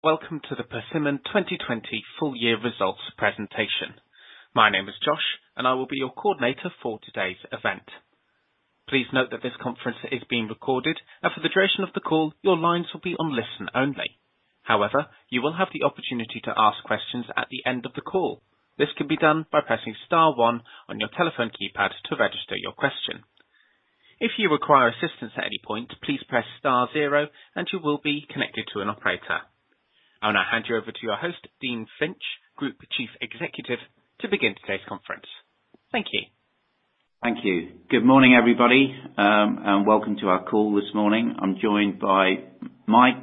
Welcome to the Persimmon 2020 full year results presentation. My name is Josh, and I will be your coordinator for today's event. Please note that this conference is being recorded, and for the duration of the call, your lines will be on listen only. However, you will have the opportunity to ask questions at the end of the call. This can be done by pressing star one on your telephone keypad to register your question. If you require assistance at any point, please press star zero and you will be connected to an operator. I will now hand you over to your host, Dean Finch, Group Chief Executive, to begin today's conference. Thank you. Thank you. Good morning, everybody, and welcome to our call this morning. I'm joined by Mike,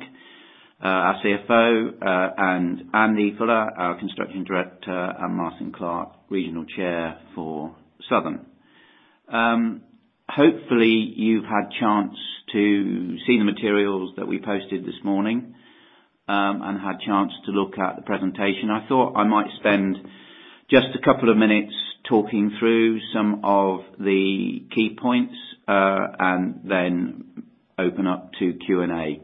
our CFO, Andy Fuller, our Construction Director, and Martyn Clark, Regional Chair for Southern. Hopefully, you've had chance to see the materials that we posted this morning, and had chance to look at the presentation. I thought I might spend just a couple of minutes talking through some of the key points, and then open up to Q&A.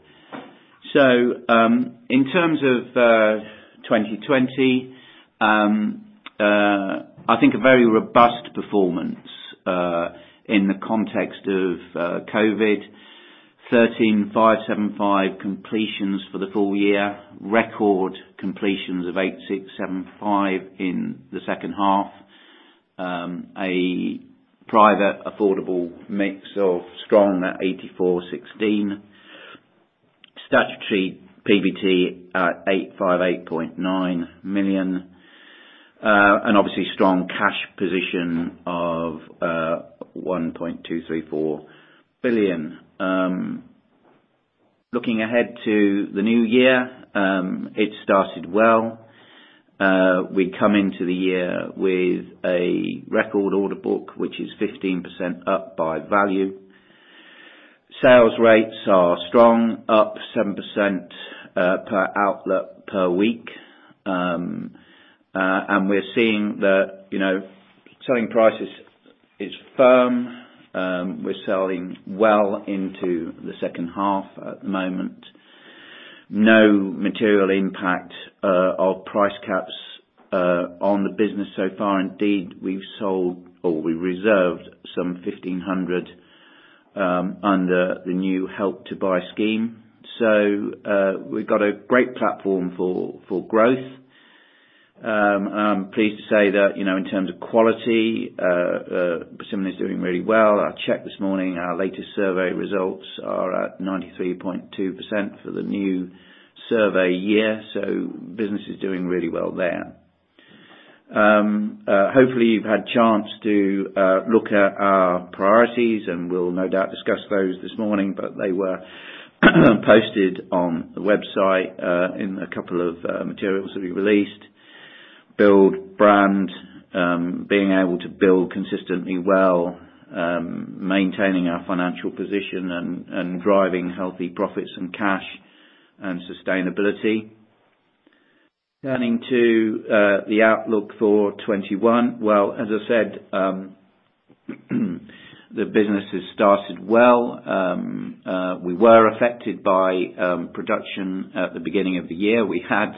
In terms of 2020, I think a very robust performance, in the context of COVID. 13,575 completions for the full year. Record completions of 8,675 in the second half. A private affordable mix of strong at 84/16. Statutory PBT at 858.9 million. Obviously strong cash position of 1.234 billion. Looking ahead to the new year, it started well. We come into the year with a record order book, which is 15% up by value. Sales rates are strong, up 7% per outlet per week. We're seeing that selling prices is firm. We're selling well into the second half at the moment. No material impact of price caps on the business so far. Indeed, we've sold or we reserved some 1,500 under the new Help to Buy scheme. We've got a great platform for growth. I'm pleased to say that, in terms of quality, Persimmon is doing really well. I checked this morning, our latest survey results are at 93.2% for the new survey year. Business is doing really well there. Hopefully, you've had chance to look at our priorities, and we'll no doubt discuss those this morning, but they were posted on the website, in a couple of materials that we released. Build right, being able to build consistently well, maintaining our financial position and driving healthy profits and cash and sustainability. Turning to the outlook for 2021. Well, as I said, the business has started well. We were affected by production at the beginning of the year. We had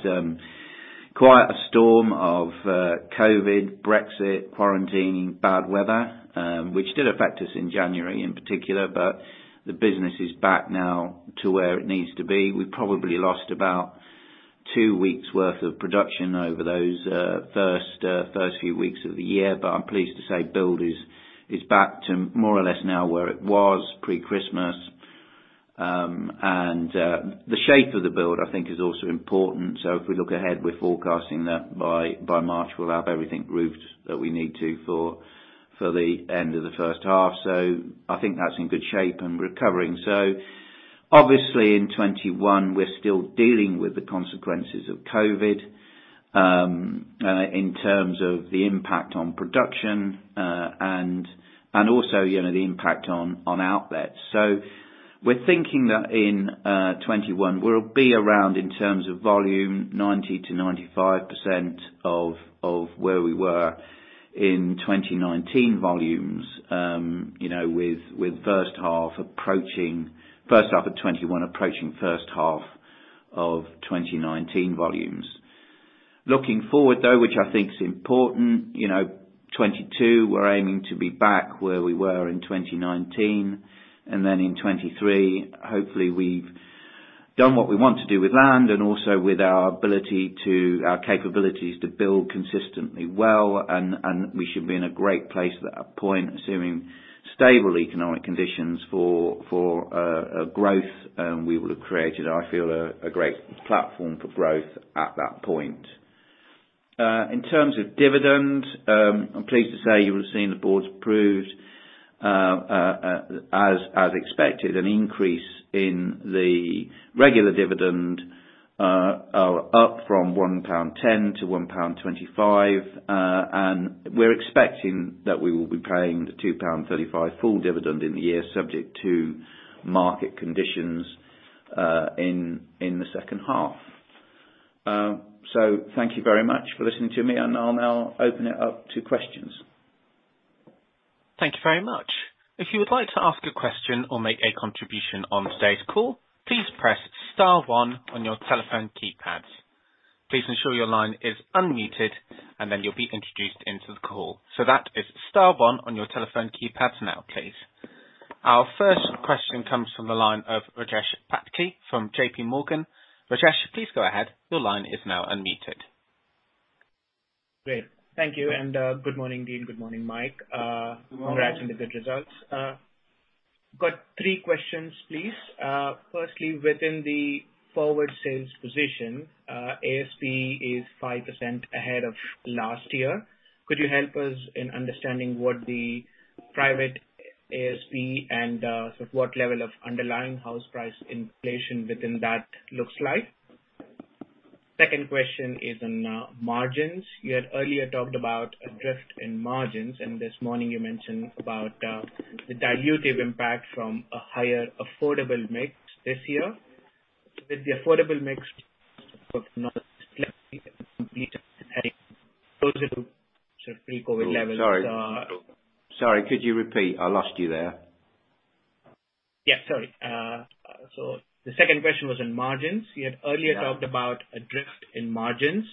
quite a storm of COVID, Brexit, quarantine, bad weather, which did affect us in January in particular, but the business is back now to where it needs to be. We probably lost about two weeks worth of production over those first few weeks of the year. I'm pleased to say build is back to more or less now where it was pre-Christmas. The shape of the build, I think, is also important. If we look ahead, we're forecasting that by March, we'll have everything roofed that we need to for the end of the first half. I think that's in good shape and recovering. Obviously in 2021, we're still dealing with the consequences of COVID, in terms of the impact on production, and also the impact on outlets. We're thinking that in 2021, we'll be around in terms of volume, 90%-95% of where we were in 2019 volumes. With first half of 2021 approaching first half of 2019 volumes. Looking forward, though, which I think is important, 2022, we're aiming to be back where we were in 2019, and then in 2023. Hopefully, we've done what we want to do with land and also with our capabilities to build consistently well, and we should be in a great place at that point, assuming stable economic conditions for growth. We will have created, I feel, a great platform for growth at that point. In terms of dividend, I'm pleased to say you will have seen the board's approved, as expected, an increase in the regular dividend, up from 1.10 pound to 1.25 pound. We're expecting that we will be paying the 2.35 full dividend in the year, subject to market conditions, in the second half. Thank you very much for listening to me, and I'll now open it up to questions. Thank you very much. If you would like to ask a question or make a contribution on today's call, please press star one on your telephone keypads. Please ensure your line is unmuted, and then you'll be introduced into the call. So that is star one on your telephone keypads now, please. Our first question comes from the line of Rajesh Patki from JPMorgan. Rajesh, please go ahead. Your line is now unmuted. Great. Thank you. Good morning, Dean. Good morning, Mike. Congrats on the good results. Got three questions, please. Firstly, within the forward sales position, ASP is 5% ahead of last year. Could you help us in understanding what the private ASP and sort of what level of underlying house price inflation within that looks like? Second question is on margins. You had earlier talked about a drift in margins, and this morning you mentioned about the dilutive impact from a higher affordable mix this year. With the affordable mix, but not closer to pre-COVID levels. Sorry, could you repeat? I lost you there. Yeah, sorry. The second question was on margins. Earlier you talked about a drift in margins.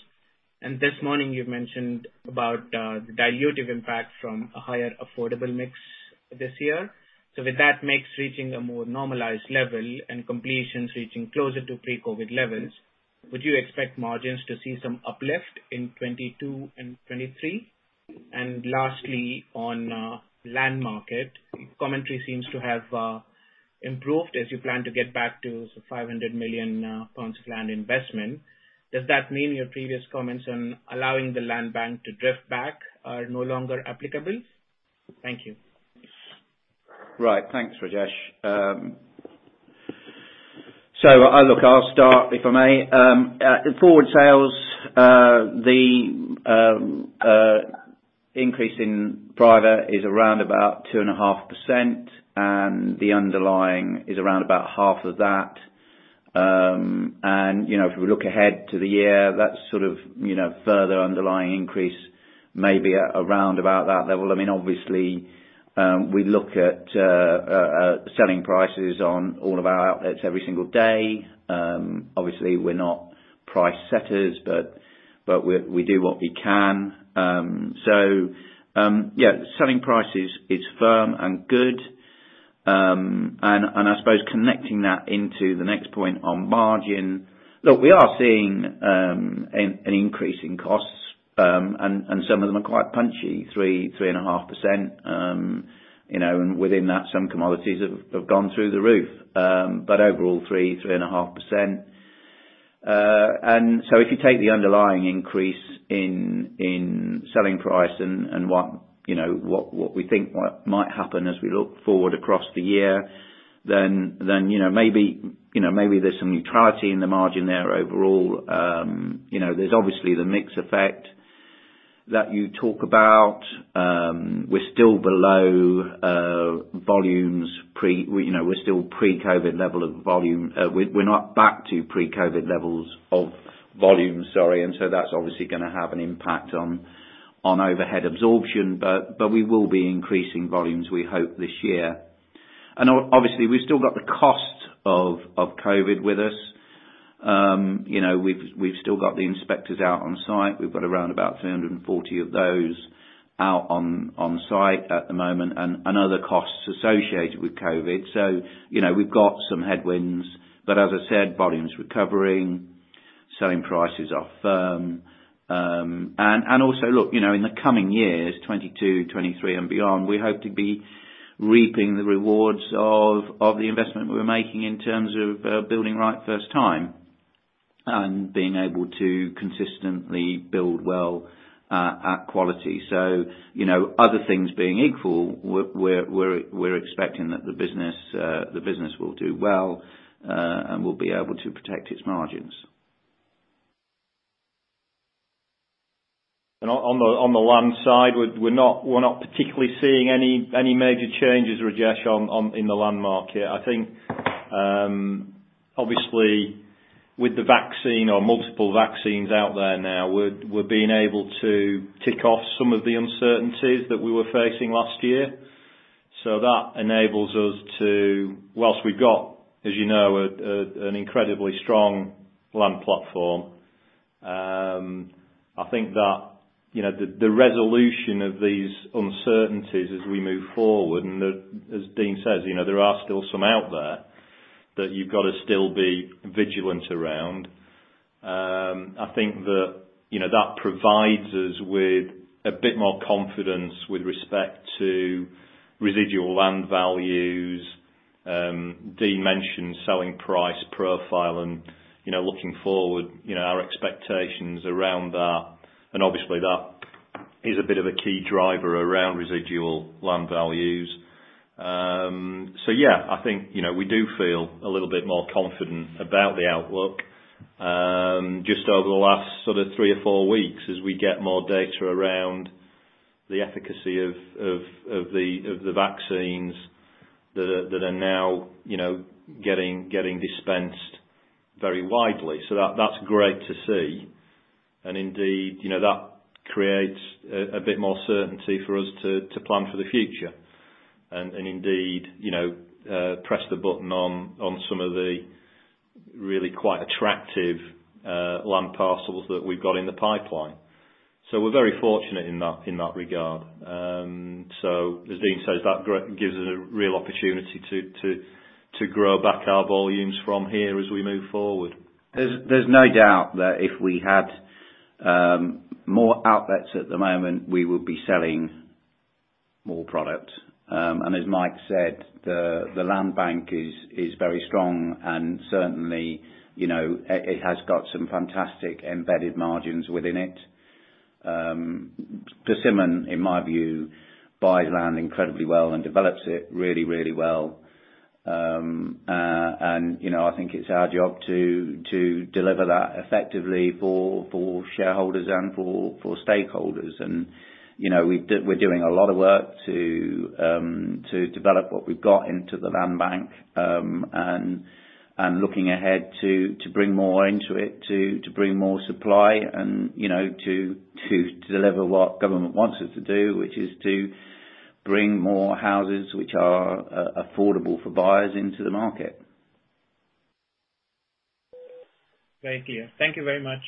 This morning you mentioned about the dilutive impact from a higher affordable mix this year. With that mix reaching a more normalized level and completions reaching closer to pre-COVID levels, would you expect margins to see some uplift in 2022 and 2023? Lastly, on land market. Commentary seems to have improved as you plan to get back to sort of 500 million pounds of land investment. Does that mean your previous comments on allowing the land bank to drift back are no longer applicable? Thank you. Right. Thanks, Rajesh. Look, I'll start, if I may. Forward sales, the increase in private is around about 2.5%, and the underlying is around about half of that. If we look ahead to the year, that's sort of further underlying increase may be around about that level. Obviously, we look at selling prices on all of our outlets every single day. Obviously, we're not price setters, but we do what we can. Yeah, selling prices is firm and good. I suppose connecting that into the next point on margin. Look, we are seeing an increase in costs, and some of them are quite punchy, 3%, 3.5%. Within that, some commodities have gone through the roof. Overall, 3%, 3.5%. If you take the underlying increase in selling price and what we think might happen as we look forward across the year, maybe there's some neutrality in the margin there overall. There's obviously the mix effect that you talk about. We're still below volumes. We're still pre-COVID level of volume. We're not back to pre-COVID levels of volume, sorry. That's obviously gonna have an impact on overhead absorption, we will be increasing volumes, we hope, this year. Obviously, we've still got the cost of COVID with us. We've still got the inspectors out on site. We've got around about 340 of those out on site at the moment and other costs associated with COVID. We've got some headwinds. As I said, volume's recovering, selling prices are firm. Also, look, in the coming years, 2022, 2023 and beyond, we hope to be reaping the rewards of the investment we were making in terms of building right first time and being able to consistently build well at quality. Other things being equal, we're expecting that the business will do well, and we'll be able to protect its margins. On the land side, we're not particularly seeing any major changes, Rajesh, in the land market. I think, obviously with the vaccine or multiple vaccines out there now, we're being able to tick off some of the uncertainties that we were facing last year. That enables us. Whilst we've got, as you know, an incredibly strong land platform, I think that the resolution of these uncertainties as we move forward, and as Dean says, there are still some out there that you've got to still be vigilant around. I think that provides us with a bit more confidence with respect to residual land values. Dean mentioned selling price profile and looking forward, our expectations around that. Obviously that is a bit of a key driver around residual land values. Yeah, I think we do feel a little bit more confident about the outlook, just over the last sort of three or four weeks as we get more data around the efficacy of the vaccines that are now getting dispensed very widely. That's great to see. Indeed, that creates a bit more certainty for us to plan for the future. Indeed press the button on some of the really quite attractive land parcels that we've got in the pipeline. We're very fortunate in that regard. As Dean says, that gives us a real opportunity to grow back our volumes from here as we move forward. There's no doubt that if we had more outlets at the moment, we would be selling more product. As Mike said, the land bank is very strong and certainly it has got some fantastic embedded margins within it. Persimmon, in my view, buys land incredibly well and develops it really, really well. I think it's our job to deliver that effectively for shareholders and for stakeholders. We're doing a lot of work to develop what we've got into the land bank, and looking ahead to bring more into it, to bring more supply and to deliver what government wants us to do, which is to bring more houses which are affordable for buyers into the market. Thank you. Thank you very much.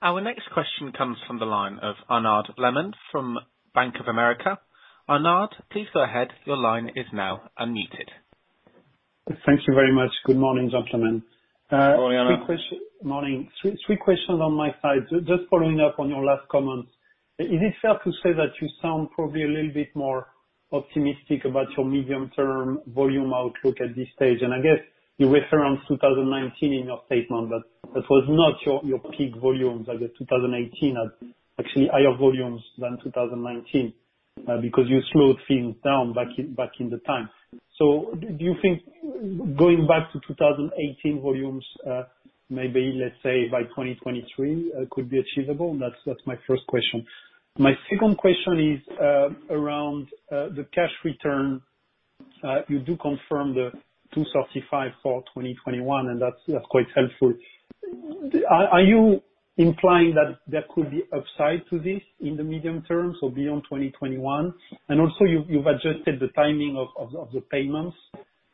Our next question comes from the line of Arnaud Lehmann from Bank of America. Arnaud, please go ahead. Thank you very much. Good morning, gentlemen. Good morning, Arnaud. Morning. Three questions on my side. Just following up on your last comments. Is it fair to say that you sound probably a little bit more optimistic about your medium term volume outlook at this stage? I guess you referenced 2019 in your statement, but that was not your peak volumes. I guess 2018 had actually higher volumes than 2019, because you slowed things down back in the time. Do you think going back to 2018 volumes maybe let's say by 2023 could be achievable? That's my first question. My second question is around the cash return. You do confirm the 2.35 for 2021, and that's quite helpful. Are you implying that there could be upside to this in the medium term, so beyond 2021? Also, you've adjusted the timing of the payments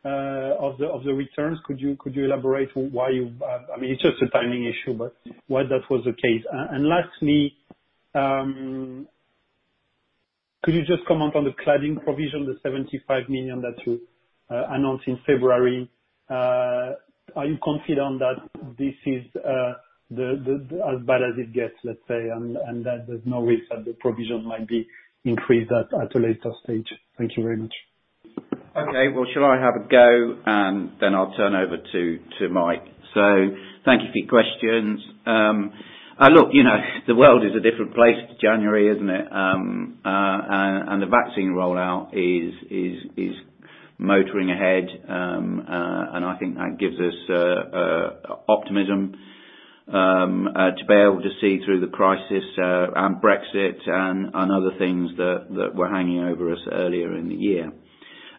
of the returns. Could you elaborate why it's just a timing issue, but why that was the case? Lastly, could you just comment on the cladding provision, the 75 million that you announced in February? Are you confident that this is as bad as it gets, let's say, and that there's no risk that the provision might be increased at a later stage? Thank you very much. Okay. Shall I have a go and then I'll turn over to Mike. Thank you for your questions. Look, the world is a different place to January, isn't it? The vaccine rollout is motoring ahead. I think that gives us optimism to be able to see through the crisis, and Brexit and other things that were hanging over us earlier in the year.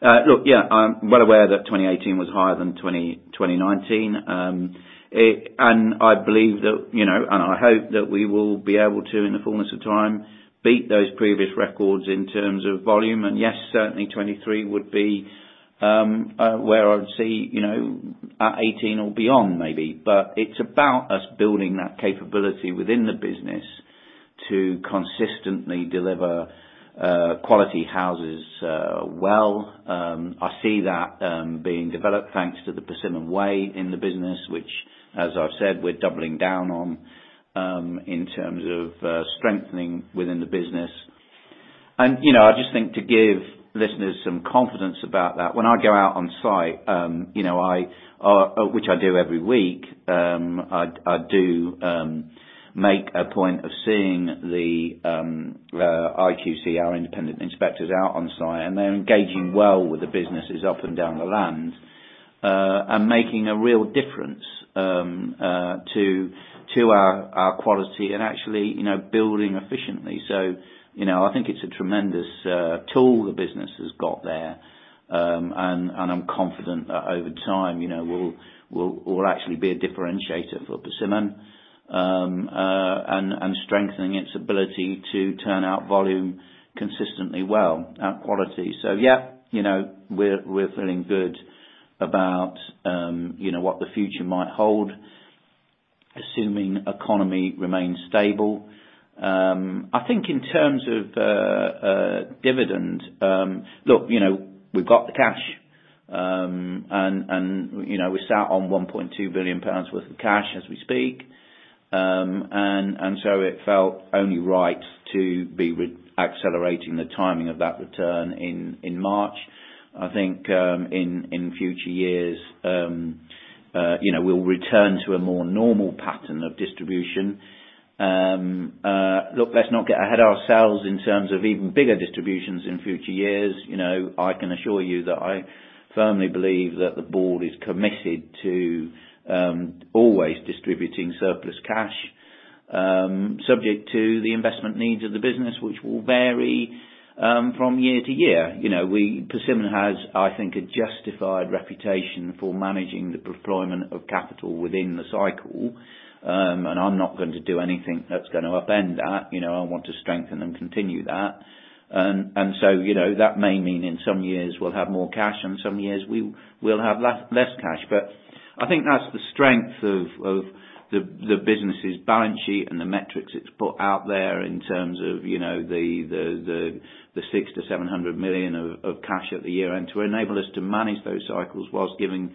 Look, yeah, I'm well aware that 2018 was higher than 2019. I believe that, and I hope that we will be able to, in the fullness of time, beat those previous records in terms of volume. Yes, certainly 2023 would be where I'd see at 2018 or beyond maybe. It's about us building that capability within the business to consistently deliver quality houses well. I see that being developed thanks to The Persimmon Way in the business, which as I've said, we're doubling down on in terms of strengthening within the business. I just think to give listeners some confidence about that, when I go out on site which I do every week, I do make a point of seeing the IQC, our independent inspectors out on site, and they're engaging well with the businesses up and down the land, and making a real difference to our quality and actually building efficiently. I think it's a tremendous tool the business has got there. I'm confident that over time will actually be a differentiator for Persimmon, and strengthening its ability to turn out volume consistently well at quality. Yeah, we're feeling good about what the future might hold, assuming economy remains stable. I think in terms of dividend, look, we've got the cash. We sat on 1.2 billion pounds worth of cash as we speak. It felt only right to be accelerating the timing of that return in March. I think, in future years we'll return to a more normal pattern of distribution. Look, let's not get ahead ourselves in terms of even bigger distributions in future years. I can assure you that I firmly believe that the board is committed to always distributing surplus cash subject to the investment needs of the business, which will vary from year to year. Persimmon has, I think, a justified reputation for managing the deployment of capital within the cycle. I'm not going to do anything that's going to upend that. I want to strengthen and continue that. That may mean in some years we'll have more cash, and some years we'll have less cash. I think that's the strength of the business' balance sheet and the metrics it's put out there in terms of the 600 million-700 million of cash at the year-end, to enable us to manage those cycles whilst giving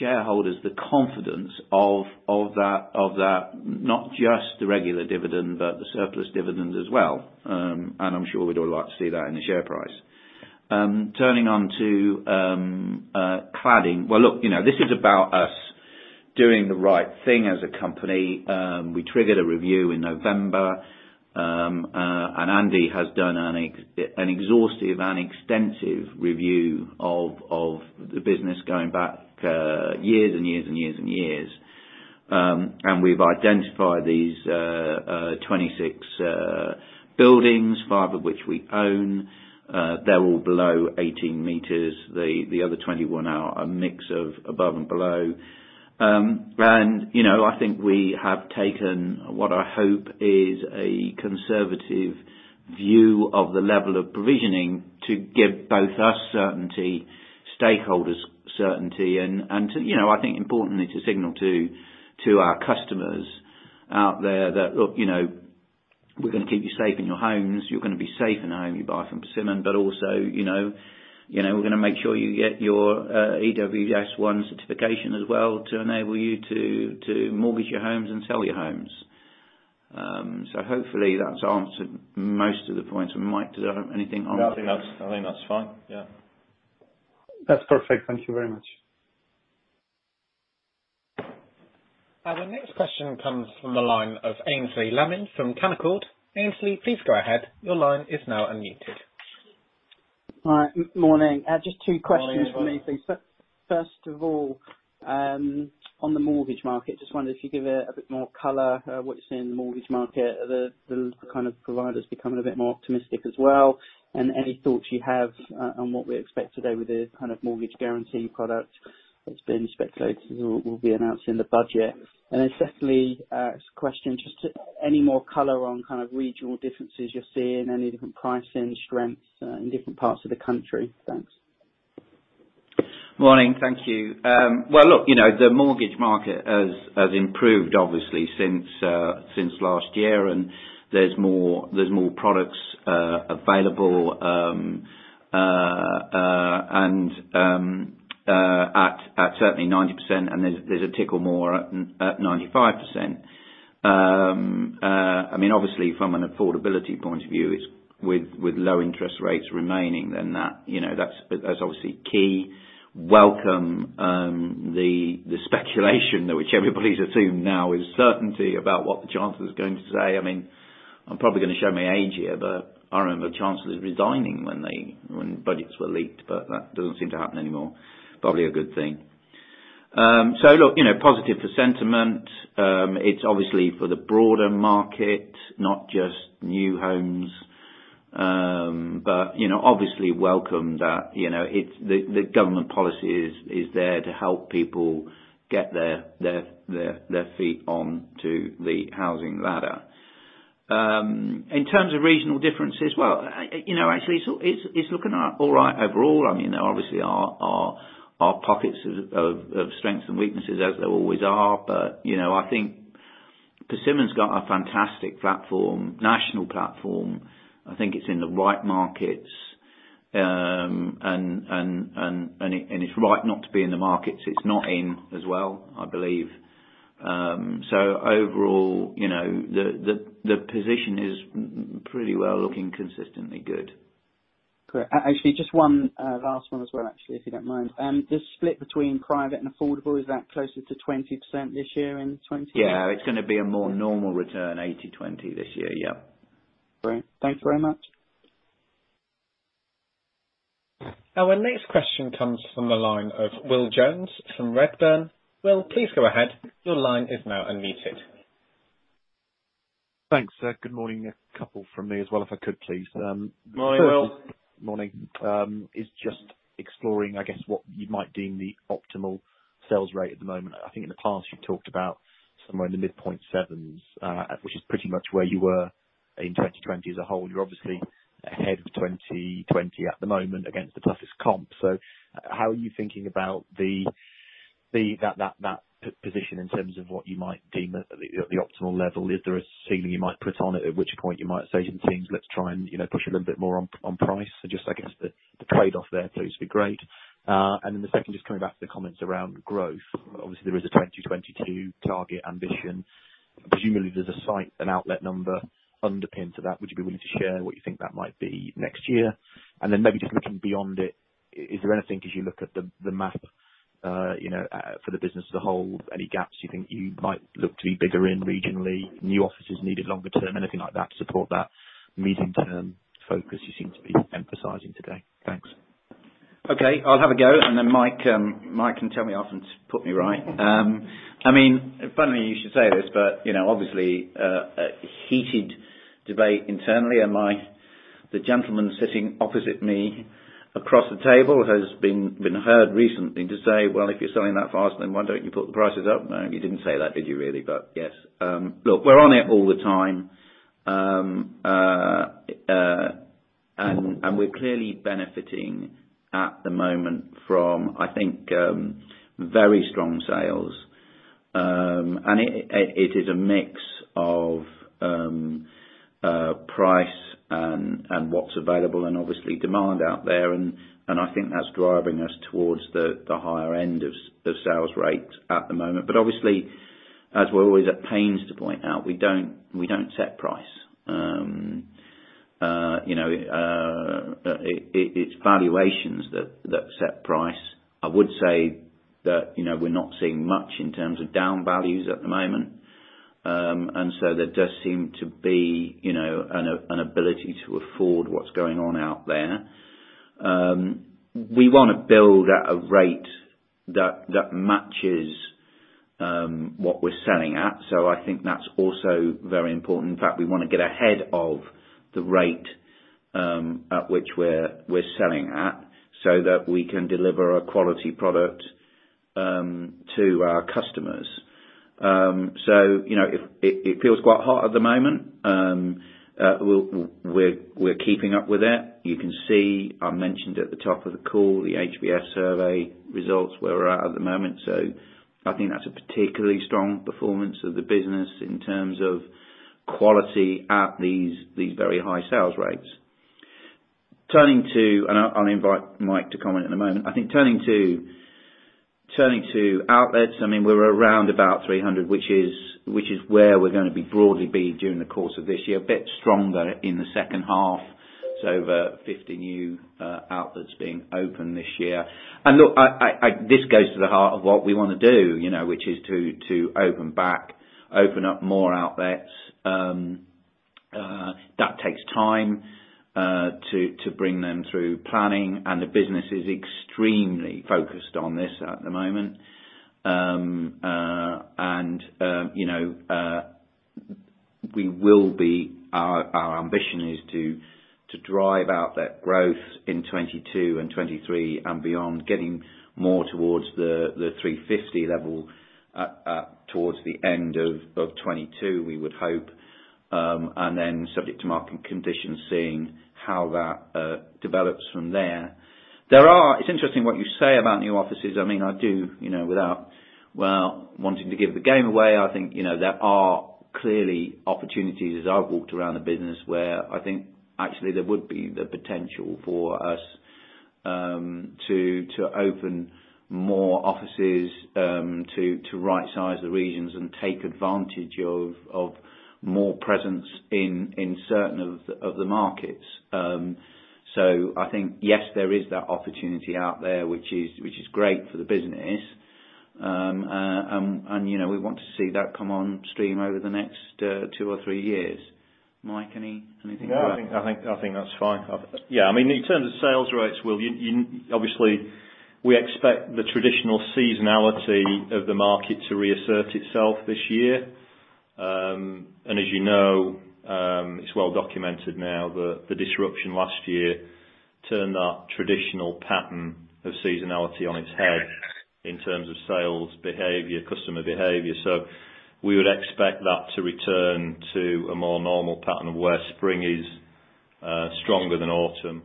shareholders the confidence of that, not just the regular dividend, but the surplus dividend as well. I'm sure we'd all like to see that in the share price. Turning on to cladding. Well, look, this is about us doing the right thing as a company. We triggered a review in November. Andy has done an exhaustive and extensive review of the business going back years and years and years and years. We've identified these 26 buildings, five of which we own. They're all below 18 meters, the other 21 are a mix of above and below. I think we have taken what I hope is a conservative view of the level of provisioning to give both us certainty, stakeholders certainty, and I think importantly, to signal to our customers out there that, look, we're going to keep you safe in your homes. You're going to be safe in a home you buy from Persimmon. Also, we're going to make sure you get your EWS1 certification as well to enable you to mortgage your homes and sell your homes. Hopefully that's answered most of the points. Mike, do I have anything on? No. I think that's fine. Yeah. That's perfect. Thank you very much. Our next question comes from the line of Aynsley Lammin from Canaccord. Aynsley, please go ahead. Hi. Morning. Just two questions from me, please. Morning. First of all, on the mortgage market, just wondering if you could give it a bit more color, what you see in the mortgage market, the kind of providers becoming a bit more optimistic as well, and any thoughts you have on what we expect today with the kind of mortgage guarantee product that's been speculated will be announced in the budget. Secondly, a question, just any more color on kind of regional differences you're seeing, any different pricing strengths in different parts of the country? Thanks. Morning. Thank you. Well, look, the mortgage market has improved obviously since last year, and there's more products available and at certainly 90%, and there's a trickle more at 95%. Obviously from an affordability point of view, with low interest rates remaining, that's obviously key. Welcome the speculation that which everybody's assumed now is certainty about what the Chancellor's going to say. I'm probably going to show my age here, I remember chancellors resigning when budgets were leaked, that doesn't seem to happen anymore. Probably a good thing. Look, positive for sentiment. It's obviously for the broader market, not just new homes. Obviously welcome that the government policy is there to help people get their feet on to the housing ladder. In terms of regional differences, well, actually it's looking all right overall. There obviously are pockets of strengths and weaknesses as there always are. I think Persimmon's got a fantastic national platform. I think it's in the right markets. It's right not to be in the markets it's not in as well, I believe. Overall, the position is pretty well looking consistently good. Great. Actually, just one last one as well, actually, if you don't mind. The split between private and affordable, is that closer to 20% this year, in 2020? Yeah, it's going to be a more normal return, 80/20 this year. Yeah. Great. Thanks very much. Our next question comes from the line of Will Jones from Redburn. Will, please go ahead. Your line is now unmuted. Thanks. Good morning. A couple from me as well if I could, please. Morning, Will. Morning. I'm just exploring, I guess, what you might deem the optimal sales rate at the moment. I think in the past you talked about somewhere in the mid point sevens, which is pretty much where you were in 2020 as a whole. You're obviously ahead of 2020 at the moment against the toughest comp. How are you thinking about that position in terms of what you might deem at the optimal level? Is there a ceiling you might put on it? At which point you might say to the teams, let's try and push a little bit more on price? Just, I guess, the trade-off there please, would be great. Then the second, just coming back to the comments around growth. Obviously there is a 2022 target ambition. Presumably there's a site, an outlet number underpinned to that. Would you be willing to share what you think that might be next year? Then maybe just looking beyond it, is there anything as you look at the map for the business as a whole, any gaps you think you might look to be bigger in regionally, new offices needed longer term, anything like that to support that medium-term focus you seem to be emphasizing today? Thanks. I'll have a go, and then Mike can tell me off and put me right. Funny you should say this, obviously, a heated debate internally. The gentleman sitting opposite me across the table has been heard recently to say, "Well, if you're selling that fast, then why don't you put the prices up?" No, you didn't say that, did you really? Yes. Look, we're on it all the time. We're clearly benefiting at the moment from, I think, very strong sales. It is a mix of price and what's available, and obviously demand out there, and I think that's driving us towards the higher end of sales rate at the moment. Obviously, as we're always at pains to point out, we don't set price. It's valuations that set price. I would say that we're not seeing much in terms of down values at the moment. There does seem to be an ability to afford what's going on out there. We want to build at a rate that matches what we're selling at, so I think that's also very important. In fact, we want to get ahead of the rate at which we're selling at so that we can deliver a quality product to our customers. It feels quite hot at the moment. We're keeping up with it. You can see, I mentioned at the top of the call, the HBF survey results where we're at at the moment. I think that's a particularly strong performance of the business in terms of quality at these very high sales rates. I'll invite Mike to comment in a moment. I think turning to outlets, we're around about 300, which is where we're going to be broadly during the course of this year. A bit stronger in the second half. Over 50 new outlets being opened this year. Look, this goes to the heart of what we want to do, which is to open up more outlets. That takes time to bring them through planning, and the business is extremely focused on this at the moment. Our ambition is to drive outlet growth in 2022 and 2023 and beyond, getting more towards the 350 level towards the end of 2022, we would hope. Subject to market conditions, seeing how that develops from there. It's interesting what you say about new offices. I do, without wanting to give the game away, I think there are clearly opportunities as I've walked around the business where I think actually there would be the potential for us to open more offices, to right-size the regions and take advantage of more presence in certain of the markets. I think, yes, there is that opportunity out there, which is great for the business. We want to see that come on stream over the next two or three years. Mike, anything to add? No, I think that's fine. In terms of sales rates, Will, obviously we expect the traditional seasonality of the market to reassert itself this year. As you know, it's well documented now that the disruption last year turned that traditional pattern of seasonality on its head in terms of sales behavior, customer behavior. We would expect that to return to a more normal pattern where spring is stronger than autumn.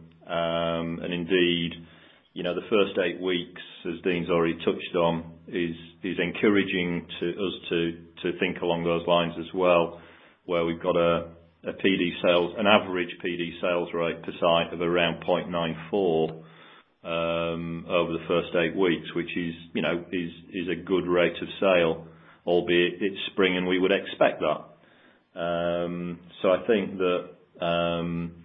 Indeed, the first eight weeks, as Dean's already touched on, is encouraging to us to think along those lines as well, where we've got an average private sales rate per site of around 0.94 over the first eight weeks, which is a good rate of sale, albeit it's spring and we would expect that. I think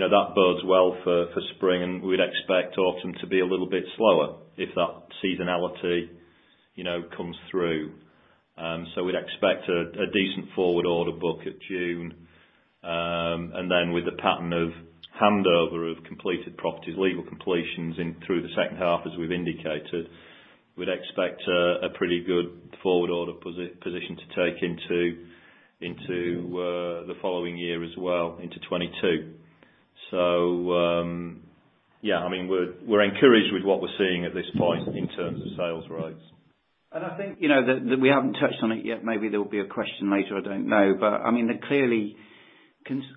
that bodes well for spring, and we'd expect autumn to be a little bit slower if that seasonality comes through. We'd expect a decent forward order book at June. With the pattern of handover of completed properties, legal completions through the second half, as we've indicated, we'd expect a pretty good forward order position to take into the following year as well, into 2022. We're encouraged with what we're seeing at this point in terms of sales rates. I think that we haven't touched on it yet. Maybe there will be a question later, I don't know. Clearly,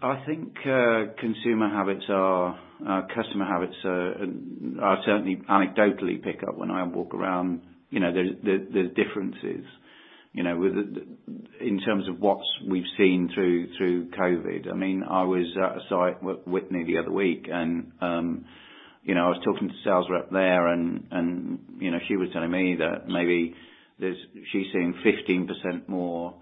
I think customer habits are certainly anecdotally pick up when I walk around. There's differences in terms of what we've seen through COVID. I was at a site at Witney the other week, and I was talking to the sales rep there and she was telling me that maybe she's seeing 15% more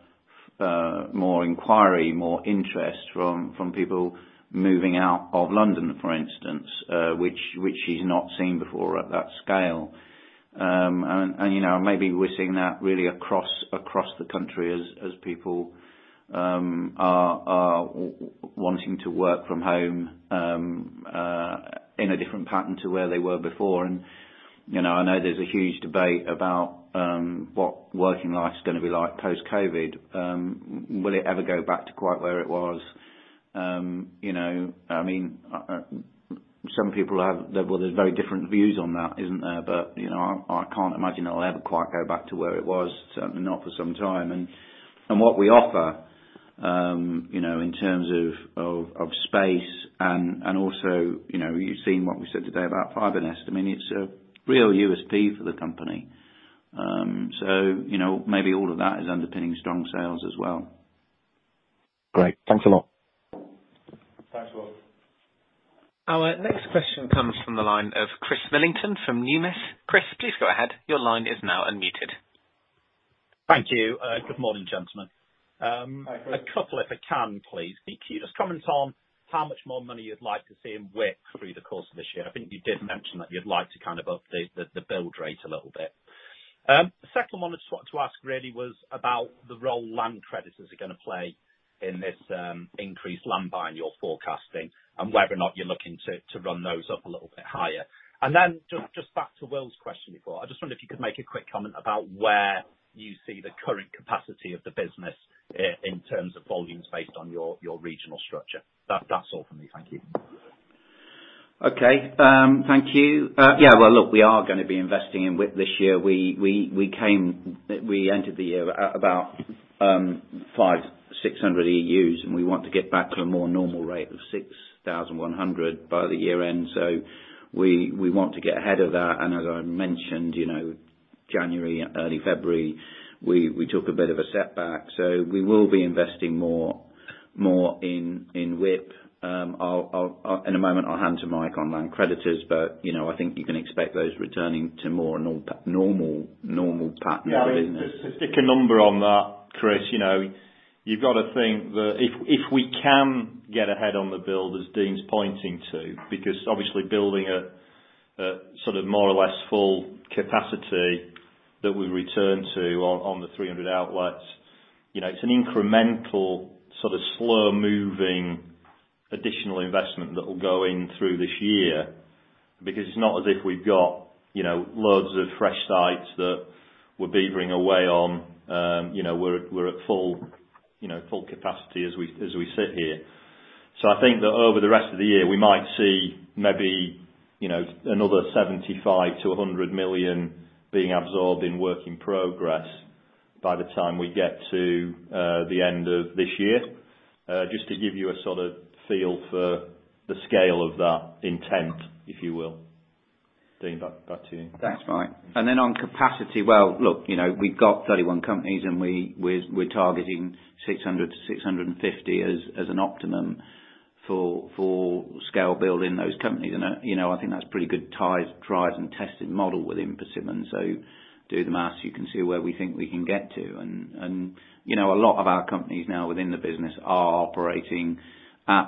inquiry, more interest from people moving out of London, for instance, which she's not seen before at that scale. Maybe we're seeing that really across the country as people are wanting to work from home in a different pattern to where they were before. I know there's a huge debate about what working life is going to be like post-COVID. Will it ever go back to quite where it was? Some people have very different views on that, isn't there? I can't imagine it'll ever quite go back to where it was, certainly not for some time. What we offer in terms of space and also, you've seen what we said today about FibreNest. It's a real USP for the company. Maybe all of that is underpinning strong sales as well. Great. Thanks a lot. Thanks, Will. Our next question comes from the line of Chris Millington from Numis. Chris, please go ahead. Thank you. Good morning, gentlemen. Hi, Chris. A couple if I can, please. Can you just comment on how much more money you'd like to see in WIP through the course of this year? I think you did mention that you'd like to up the build rate a little bit. Second one I just wanted to ask really was about the role land credits are going to play in this increased land buy in your forecasting, and whether or not you're looking to run those up a little bit higher. Just back to Will's question before, I just wonder if you could make a quick comment about where you see the current capacity of the business in terms of volumes based on your regional structure. That's all from me. Thank you. Okay. Thank you. Well, look, we are going to be investing in WIP this year. We entered the year at about 5,600 EUs, and we want to get back to a more normal rate of 6,100 by the year end. We want to get ahead of that, and as I mentioned, January, early February, we took a bit of a setback. We will be investing more in WIP. In a moment, I'll hand to Mike on land creditors, but I think you can expect those returning to more normal pattern of the business. Yeah. To stick a number on that, Chris, you've got to think that if we can get ahead on the build as Dean's pointing to, because obviously building a sort of more or less full capacity that we return to on the 300 outlets, it's an incremental, sort of slow-moving additional investment that will go in through this year, because it's not as if we've got loads of fresh sites that we're beavering away on. We're at full capacity as we sit here. I think that over the rest of the year, we might see maybe another 75 million-100 million being absorbed in work in progress by the time we get to the end of this year. Just to give you a sort of feel for the scale of that intent, if you will. Dean, back to you. That's right. On capacity, well, look, we've got 31 companies and we're targeting 600 to 650 as an optimum for scale build in those companies. I think that's a pretty good tried and tested model within Persimmon. Do the math, you can see where we think we can get to. A lot of our companies now within the business are operating at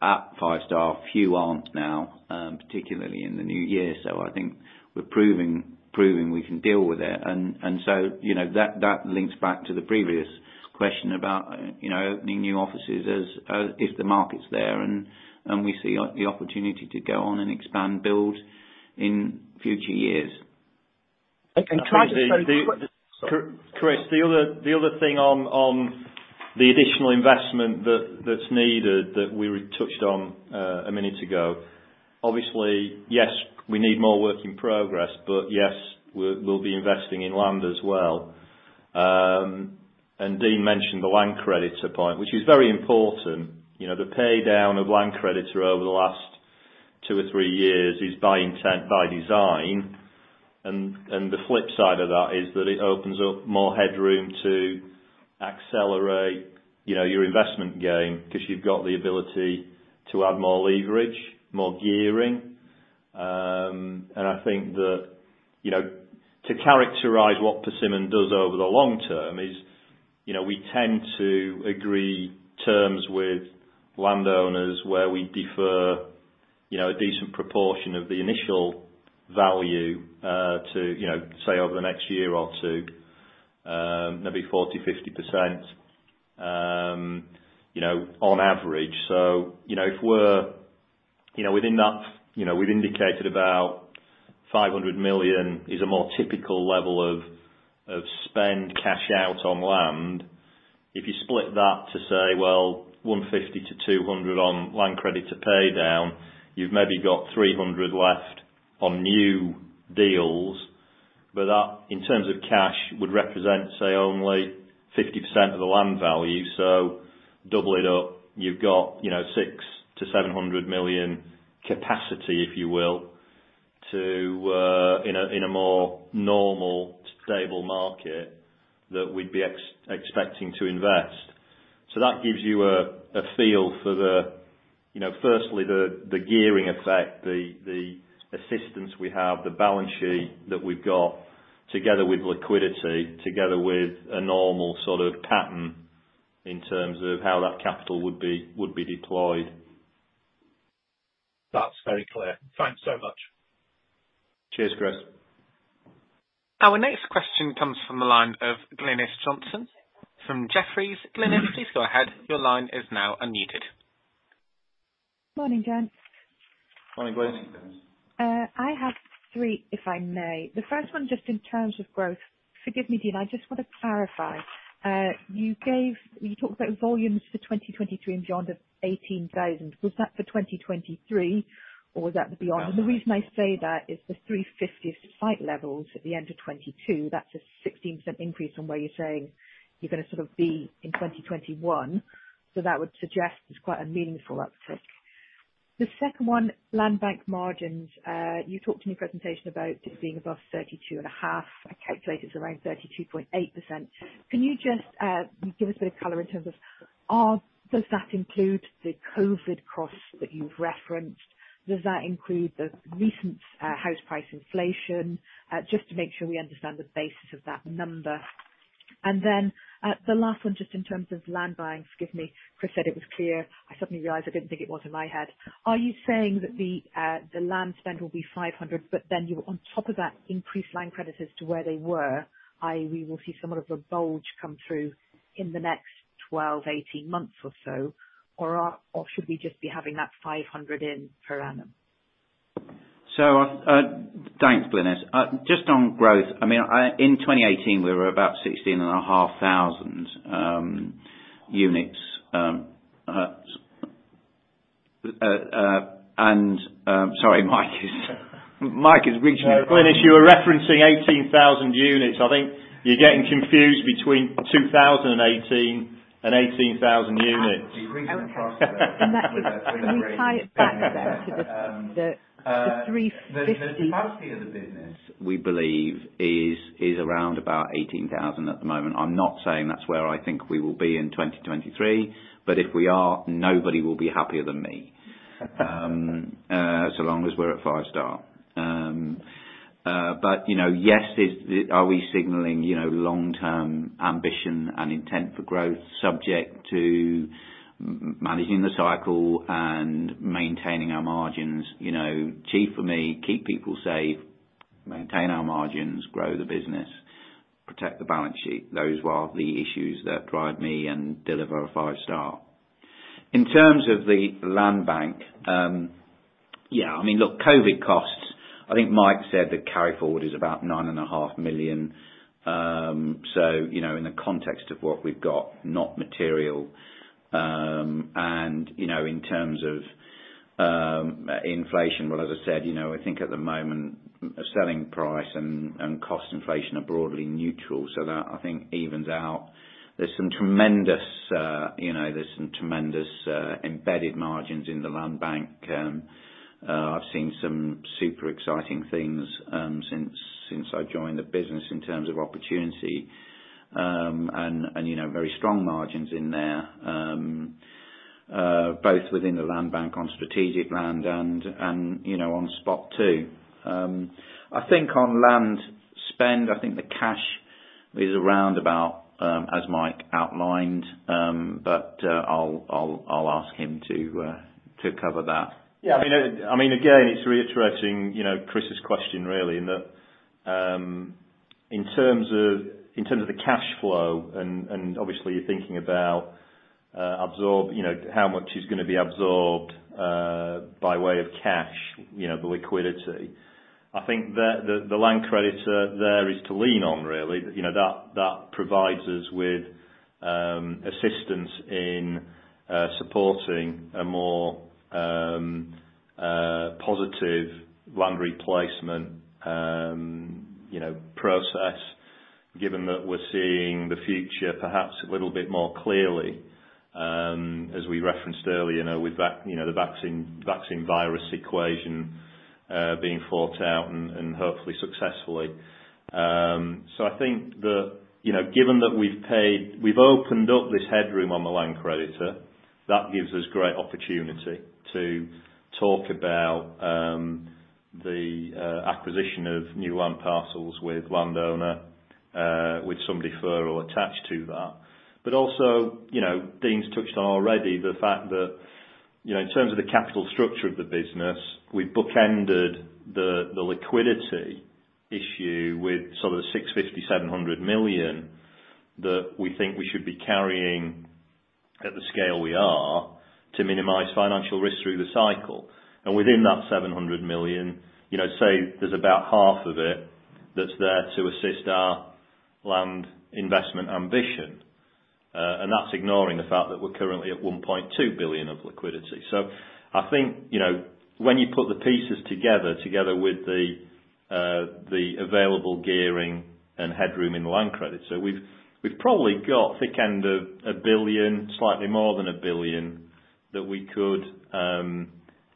five-star. Few aren't now, particularly in the new year. I think we're proving we can deal with it, that links back to the previous question about opening new offices as if the market's there. We see the opportunity to go on and expand build in future years. Can I just say. Sorry. Chris, the other thing on the additional investment that's needed that we touched on a minute ago. Obviously, yes, we need more work in progress, but yes, we'll be investing in land as well. Dean mentioned the land creditor point, which is very important. The pay down of land creditor over the last two or three years is by intent, by design. The flip side of that is that it opens up more headroom to accelerate your investment game because you've got the ability to add more leverage, more gearing. I think that to characterize what Persimmon does over the long term is we tend to agree terms with landowners where we defer a decent proportion of the initial value to say over the next year or two, maybe 40%, 50% on average. Within that, we've indicated about 500 million is a more typical level of spend cash out on land. If you split that to say, well, 150-200 on land creditor pay down, you've maybe got 300 left on new deals. But that, in terms of cash, would represent, say, only 50% of the land value. Double it up, you've got 600 million-700 million capacity, if you will, in a more normal, stable market that we'd be expecting to invest. That gives you a feel for the firstly, the gearing effect, the assistance we have, the balance sheet that we've got together with liquidity, together with a normal sort of pattern in terms of how that capital would be deployed. That's very clear. Thanks so much. Cheers, Chris. Our next question comes from the line of Glynis Johnson from Jefferies. Glynis, please go ahead. Morning, gents. Morning, Glynis. Morning, Glynis. I have three, if I may. The first one, just in terms of growth. Forgive me, Dean, I just want to clarify. You talked about volumes for 2023 and beyond of 18,000. Was that for 2023 or was that beyond? The reason I say that is the 350 site levels at the end of 2022, that's a 16% increase from where you're saying you're going to sort of be in 2021. That would suggest it's quite a meaningful uptick. The second one, land bank margins. You talked in your presentation about it being above 32.5%. I calculate it's around 32.8%. Can you just give us a bit of color in terms of, does that include the COVID costs that you've referenced? Does that include the recent house price inflation? Just to make sure we understand the basis of that number. Then, the last one, just in terms of land buying. Forgive me, Chris said it was clear. I suddenly realized I didn't think it was in my head. Are you saying that the land spend will be 500, but then you, on top of that, increase land credits as to where they were, i.e., we will see somewhat of a bulge come through in the next 12, 18 months or so, or should we just be having that 500 in per annum? Thanks, Glynis. Just on growth. In 2018, we were about 16 and half thousand units. Sorry, Mike is reaching. No, Glynis, you were referencing 18,000 units. I think you're getting confused between 2018 and 18,000 units. Okay. That was when we tie it back then to the 350. The capacity of the business, we believe, is around about 18,000 at the moment. I'm not saying that's where I think we will be in 2023, but if we are, nobody will be happier than me. Long as we're at Five-star. Yes, are we signaling long-term ambition and intent for growth, subject to managing the cycle and maintaining our margins. Chief for me, keep people safe, maintain our margins, grow the business, protect the balance sheet. Those are the issues that drive me and deliver a Five-star. In terms of the land bank. Yeah, look, COVID costs, I think Mike said the carry-forward is about nine and a half million GBP. In the context of what we've got, not material. In terms of inflation, well, as I said, I think at the moment, selling price and cost inflation are broadly neutral, so that, I think, evens out. There's some tremendous embedded margins in the land bank. I've seen some super exciting things since I joined the business in terms of opportunity. Very strong margins in there, both within the land bank, on strategic land, and on spot too. I think on land spend, I think the cash is around about, as Mike outlined, but I'll ask him to cover that. Yeah. Again, it's reiterating Chris's question really, in that in terms of the cash flow and obviously you're thinking about how much is going to be absorbed by way of cash, the liquidity. I think the land credit there is to lean on, really. That provides us with assistance in supporting a more positive land replacement process, given that we're seeing the future perhaps a little bit more clearly, as we referenced earlier, with the vaccine virus equation being fought out and hopefully successfully. I think that, given that we've opened up this headroom on the land creditor, that gives us great opportunity to talk about the acquisition of new land parcels with landowner, with some deferral attached to that. Also, Dean's touched on already the fact that, in terms of the capital structure of the business, we bookended the liquidity issue with sort of 650 million, 700 million that we think we should be carrying at the scale we are to minimize financial risk through the cycle. Within that 700 million, say there's about half of it that's there to assist our land investment ambition. That's ignoring the fact that we're currently at 1.2 billion of liquidity. I think, when you put the pieces together with the available gearing and headroom in the land credit. We've probably got thick end of 1 billion, slightly more than 1 billion, that we could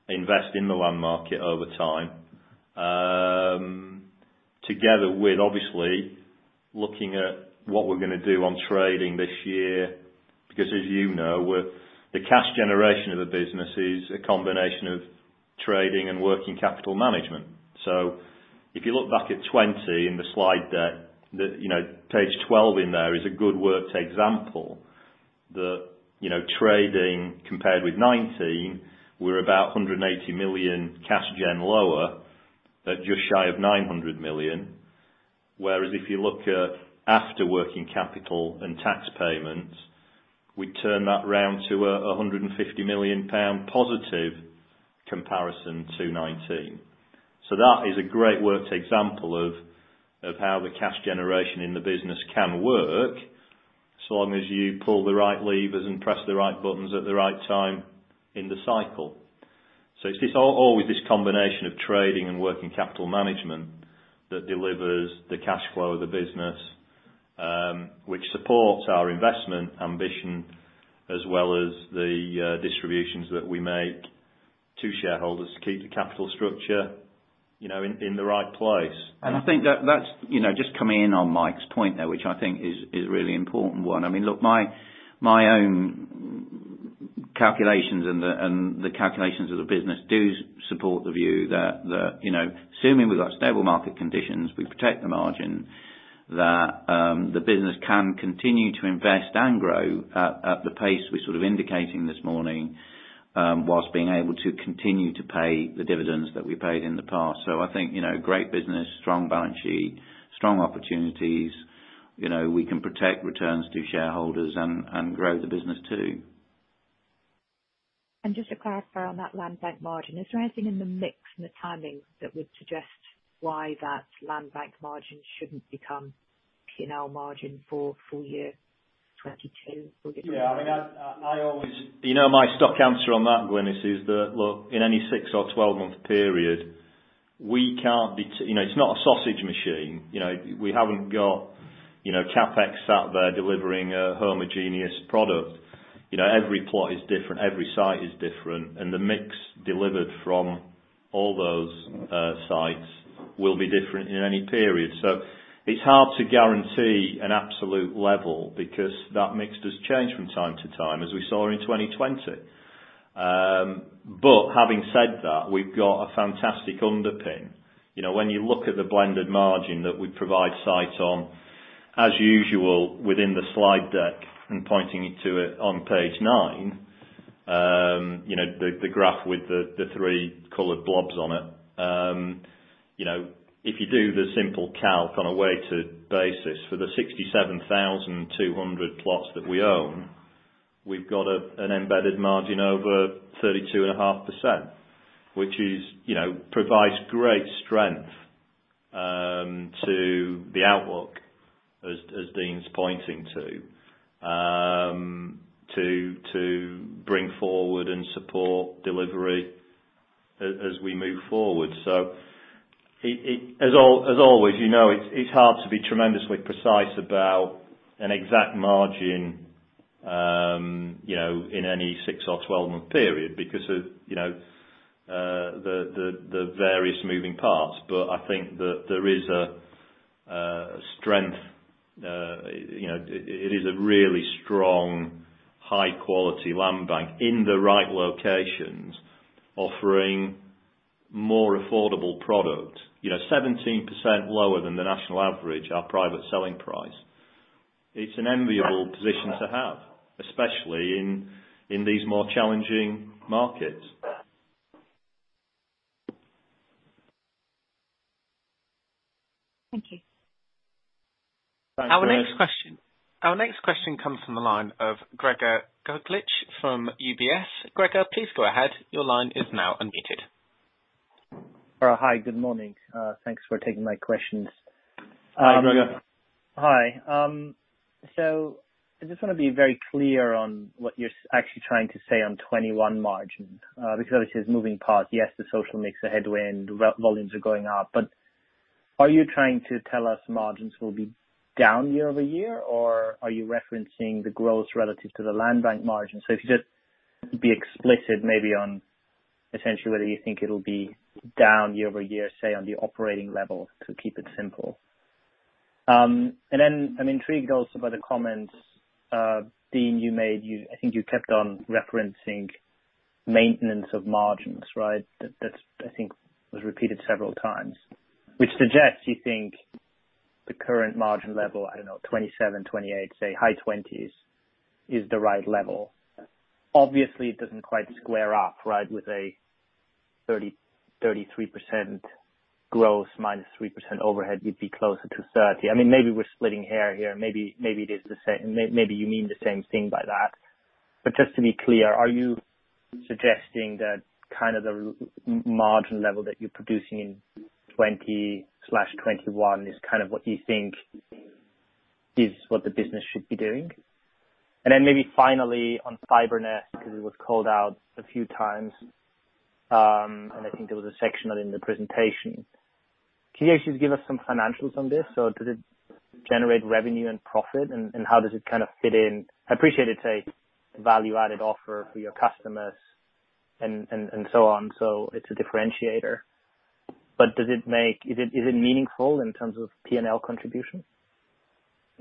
invest in the land market over time. Together with, obviously, looking at what we're going to do on trading this year. Because as you know, the cash generation of the business is a combination of trading and working capital management. If you look back at 2020 in the slide deck, page 12 in there is a good worked example that trading compared with 2019, we're about 180 million cash gen lower at just shy of 900 million. Whereas if you look at after working capital and tax payments, we turn that around to 150 million pound positive comparison to 2019. That is a great worked example of how the cash generation in the business can work, so long as you pull the right levers and press the right buttons at the right time in the cycle. It's always this combination of trading and working capital management that delivers the cash flow of the business, which supports our investment ambition as well as the distributions that we make to shareholders to keep the capital structure in the right place. I think that's just coming in on Mike's point there, which I think is a really important one. Look, my own calculations and the calculations of the business do support the view that assuming we've got stable market conditions, we protect the margin, that the business can continue to invest and grow at the pace we're sort of indicating this morning, whilst being able to continue to pay the dividends that we paid in the past. I think, great business, strong balance sheet, strong opportunities. We can protect returns to shareholders and grow the business too. Just to clarify on that land bank margin, is there anything in the mix and the timing that would suggest why that land bank margin shouldn't become P&L margin for full year 2022? Yeah. My stock answer on that, Glynis, is that, look, in any six or 12-month period, it's not a sausage machine. We haven't got CapEx sat there delivering a homogeneous product. Every plot is different, every site is different, and the mix delivered from all those sites will be different in any period. It's hard to guarantee an absolute level because that mix does change from time to time, as we saw in 2020. Having said that, we've got a fantastic underpin. When you look at the blended margin that we provide sites on, as usual, within the slide deck and pointing you to it on page nine, the graph with the three colored blobs on it. If you do the simple calc on a weighted basis for the 67,200 plots that we own, we've got an embedded margin over 32.5%, which provides great strength to the outlook, as Dean's pointing to bring forward and support delivery as we move forward. As always, it's hard to be tremendously precise about an exact margin in any six or 12-month period because of the various moving parts. I think that there is a strength. It is a really strong, high-quality land bank in the right locations offering more affordable product, 17% lower than the national average, our private selling price. It's an enviable position to have, especially in these more challenging markets. Thank you. Thanks, Glynis. Our next question comes from the line of Gregor Kuglitsch from UBS. Gregor, please go ahead. Hi. Good morning. Thanks for taking my questions. Hi, Gregor. Hi. I just want to be very clear on what you're actually trying to say on '21 margin, because obviously there's moving parts. Yes, the social mix, the headwind, volumes are going up. Are you trying to tell us margins will be down year-over-year, or are you referencing the growth relative to the land bank margin? If you just be explicit maybe on essentially whether you think it'll be down year-over-year, say, on the operating level to keep it simple. Then I'm intrigued also by the comments, Dean, you made. I think you kept on referencing maintenance of margins, right? That, I think, was repeated several times, which suggests you think the current margin level, I don't know, 27, 28, say high twenties, is the right level. Obviously it doesn't quite square up, right? With a 33% growth minus 3% overhead, you'd be closer to 30. Maybe we're splitting hairs here and maybe you mean the same thing by that. Just to be clear, are you suggesting that kind of the margin level that you're producing in 2020/2021 is kind of what you think is what the business should be doing? Maybe finally on FibreNest, because it was called out a few times, and I think there was a section on it in the presentation. Can you actually give us some financials on this? Does it generate revenue and profit, and how does it kind of fit in? I appreciate it's a value-added offer for your customers and so on, so it's a differentiator. Is it meaningful in terms of P&L contribution?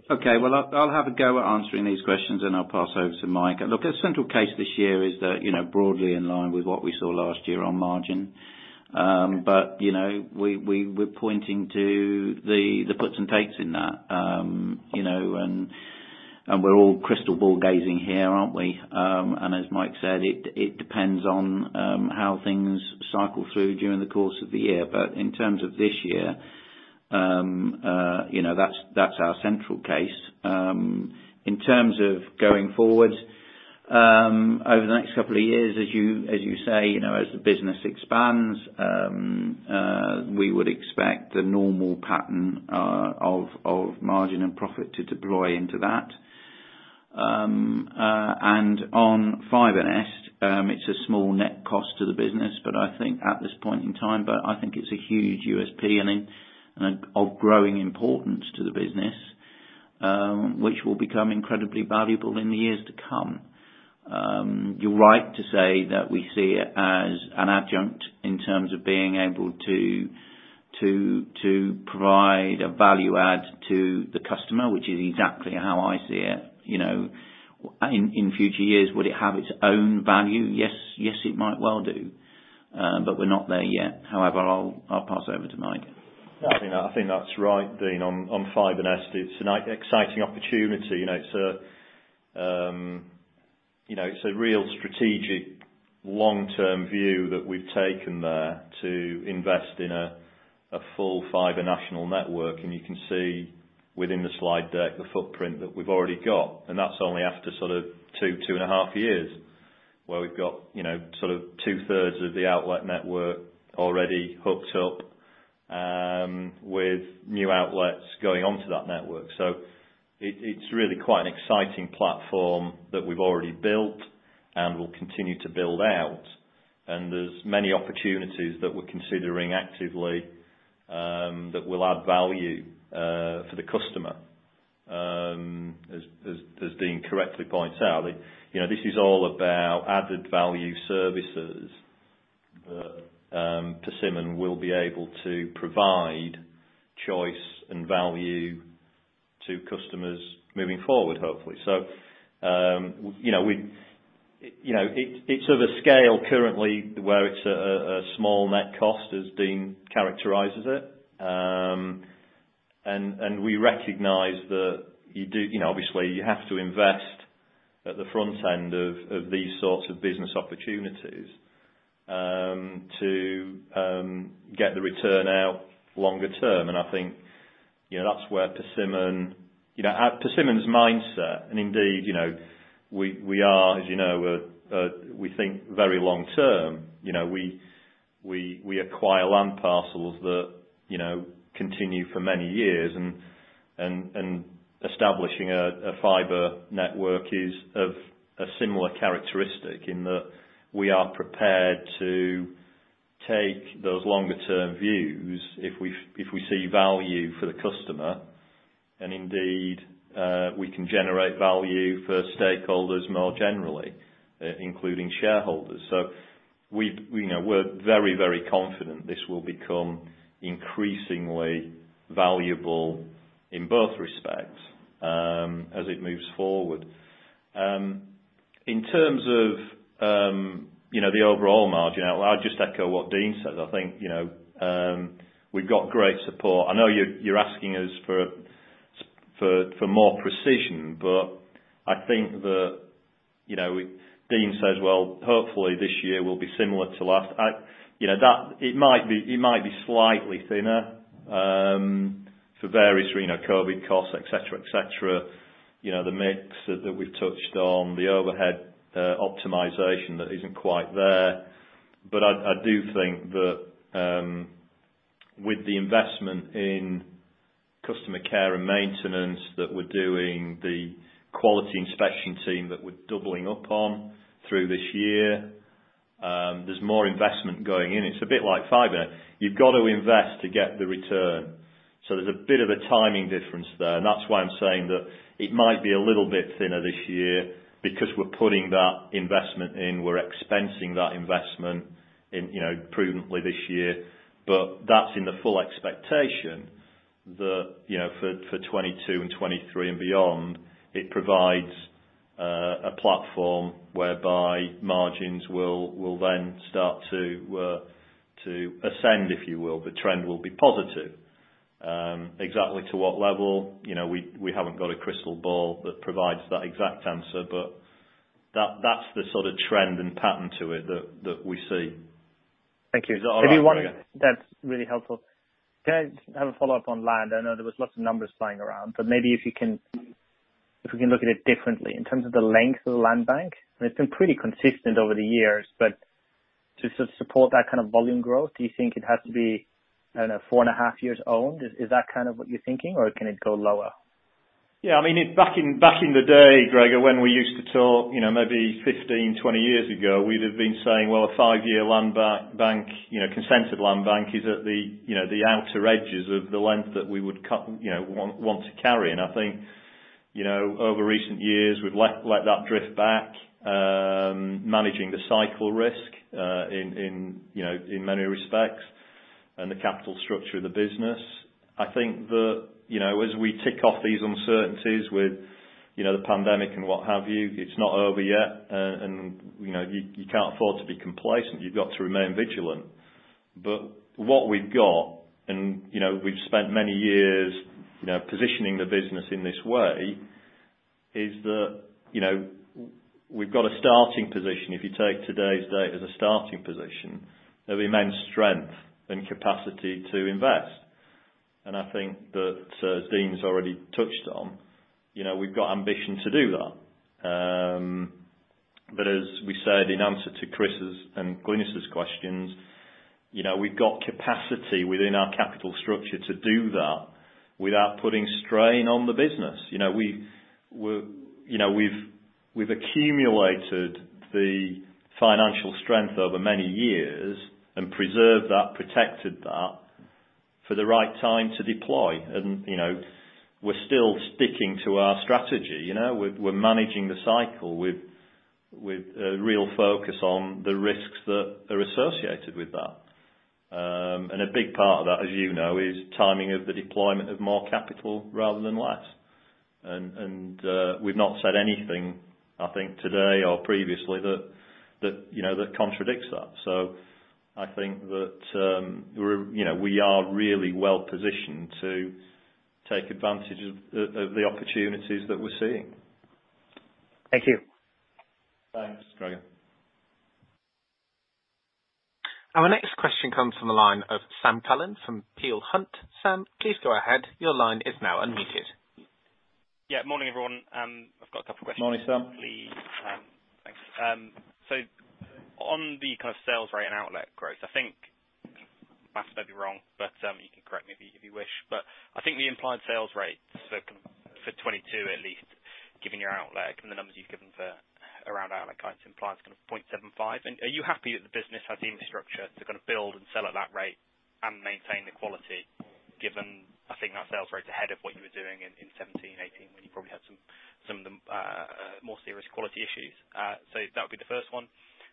Okay. Well, I'll have a go at answering these questions, then I'll pass over to Mike. Look, our central case this year is that broadly in line with what we saw last year on margin. We're pointing to the puts and takes in that. We're all crystal ball gazing here, aren't we? As Mike said, it depends on how things cycle through during the course of the year. In terms of this year, that's our central case. In terms of going forward, over the next couple of years, as you say, as the business expands, we would expect a normal pattern of margin and profit to deploy into that. On FibreNest, it's a small net cost to the business, but I think at this point in time, but I think it's a huge USP and of growing importance to the business, which will become incredibly valuable in the years to come. You're right to say that we see it as an adjunct in terms of being able to provide a value add to the customer, which is exactly how I see it. In future years, would it have its own value? Yes, it might well do. We're not there yet. However, I'll pass over to Mike. I think that's right, Dean, on FibreNest. It's an exciting opportunity. It's a real strategic long-term view that we've taken there to invest in a full fibre national network. You can see within the slide deck, the footprint that we've already got, and that's only after sort of two and a half years, where we've got two-thirds of the outlet network already hooked up, with new outlets going onto that network. It's really quite an exciting platform that we've already built and will continue to build out. There's many opportunities that we're considering actively, that will add value for the customer. As Dean correctly points out, this is all about added value services that Persimmon will be able to provide choice and value to customers moving forward, hopefully. It's of a scale currently where it's a small net cost as Dean characterizes it. We recognize that obviously you have to invest at the front end of these sorts of business opportunities, to get the return out longer term. I think that's where Persimmon's mindset, and indeed, we are, as you know, we think very long-term. We acquire land parcels that continue for many years, and establishing a fibre network is of a similar characteristic in that we are prepared to take those longer term views if we see value for the customer, and indeed, we can generate value for stakeholders more generally, including shareholders. We're very confident this will become increasingly valuable in both respects as it moves forward. In terms of the overall margin outlook, I'll just echo what Dean said. I think we've got great support. I know you're asking us for more precision. I think that Dean says, well, hopefully this year will be similar to last. It might be slightly thinner, for various COVID costs, et cetera. The mix that we've touched on, the overhead optimization that isn't quite there. I do think that with the investment in customer care and maintenance that we're doing, the quality inspection team that we're doubling up on through this year, there's more investment going in. It's a bit like fibre. You've got to invest to get the return. There's a bit of a timing difference there, and that's why I'm saying that it might be a little bit thinner this year because we're putting that investment in, we're expensing that investment prudently this year. That's in the full expectation that for 2022 and 2023 and beyond, it provides a platform whereby margins will then start to ascend, if you will. The trend will be positive. Exactly to what level? We haven't got a crystal ball that provides that exact answer, but that's the sort of trend and pattern to it that we see. Thank you. Is that all right, Gregor? That's really helpful. Can I just have a follow-up on land? I know there was lots of numbers flying around, but maybe if we can look at it differently. In terms of the length of the land bank, and it's been pretty consistent over the years, but to support that kind of volume growth, do you think it has to be, I don't know, four and a half years owned? Is that kind of what you're thinking, or can it go lower? Yeah. Back in the day, Gregor, when we used to talk maybe 15, 20 years ago, we'd have been saying, well, a five-year land bank, consented land bank is at the outer edges of the length that we would want to carry. I think over recent years, we've let that drift back, managing the cycle risk in many respects and the capital structure of the business. I think that as we tick off these uncertainties with the pandemic and what have you, it's not over yet, and you can't afford to be complacent. You've got to remain vigilant. What we've got, and we've spent many years positioning the business in this way, is that we've got a starting position. If you take today's date as a starting position, there'll be immense strength and capacity to invest. I think that as Dean has already touched on, we've got ambition to do that. As we said in answer to Chris's and Glynis' questions, we've got capacity within our capital structure to do that without putting strain on the business. We've accumulated the financial strength over many years and preserved that, protected that for the right time to deploy. We're still sticking to our strategy. We're managing the cycle with a real focus on the risks that are associated with that. A big part of that, as you know, is timing of the deployment of more capital rather than less. We've not said anything, I think today or previously, that contradicts that. I think that we are really well positioned to take advantage of the opportunities that we're seeing. Thank you. Thanks, Gregor. Our next question comes from the line of Sam Cullen from Peel Hunt. Sam, please go ahead. Your line is now unmuted. Yeah. Morning, everyone. I've got a couple of questions. Morning, Sam. Thanks. On the kind of sales rate and outlet growth, I think, Mike, I may be wrong, but you can correct me if you wish. I think the implied sales rate, for 2022, at least, given your outlet, given the numbers you've given for around outlook, I implied kind of 0.75. Are you happy that the business has the infrastructure to build and sell at that rate and maintain the quality, given I think that sales rate is ahead of what you were doing in 2017, 2018, when you probably had some of the more serious quality issues? That would be the first one.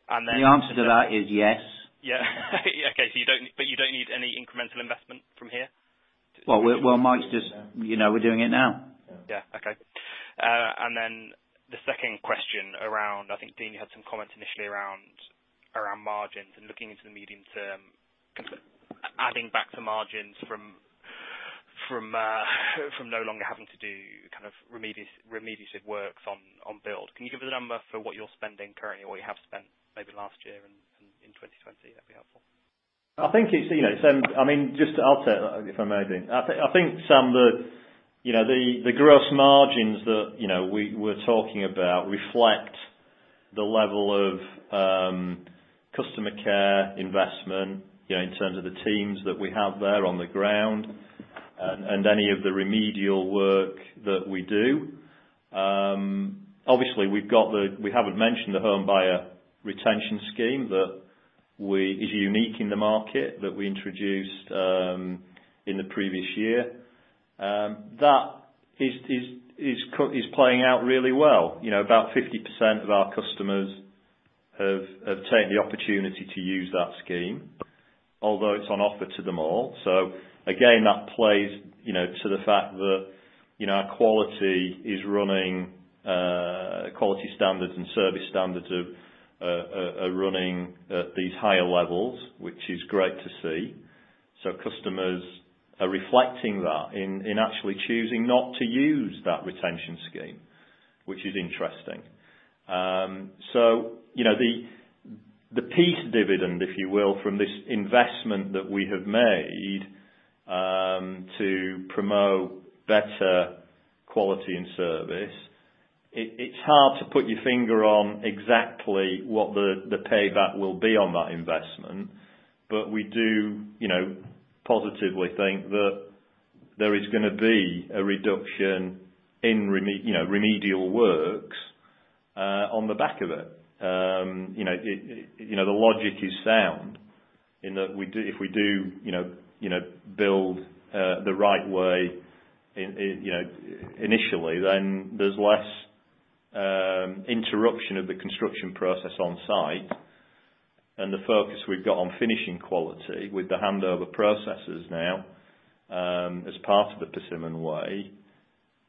The answer to that is yes. Yeah. Okay. You don't need any incremental investment from here? Well, Mike's. We're doing it now. Yeah. Okay. The second question around, I think, Dean, you had some comments initially around margins and looking into the medium term, adding back the margins from no longer having to do remediative works on build. Can you give us a number for what you're spending currently or you have spent maybe last year and in 2020? That'd be helpful. I'll take that, if I may, Dean. I think, Sam, the gross margins that we're talking about reflect the level of customer care investment in terms of the teams that we have there on the ground and any of the remedial work that we do. Obviously, we haven't mentioned the Homebuyer Retention Scheme that is unique in the market that we introduced in the previous year. That is playing out really well. About 50% of our customers have taken the opportunity to use that scheme, although it's on offer to them all. Again, that plays to the fact that our quality standards and service standards are running at these higher levels, which is great to see. Customers are reflecting that in actually choosing not to use that retention scheme, which is interesting. The peace dividend, if you will, from this investment that we have made to promote better quality and service, it's hard to put your finger on exactly what the payback will be on that investment. We do positively think that there is going to be a reduction in remedial works on the back of it. The logic is sound in that if we do build the right way initially, then there's less interruption of the construction process on site. The focus we've got on finishing quality with the handover processes now, as part of The Persimmon Way,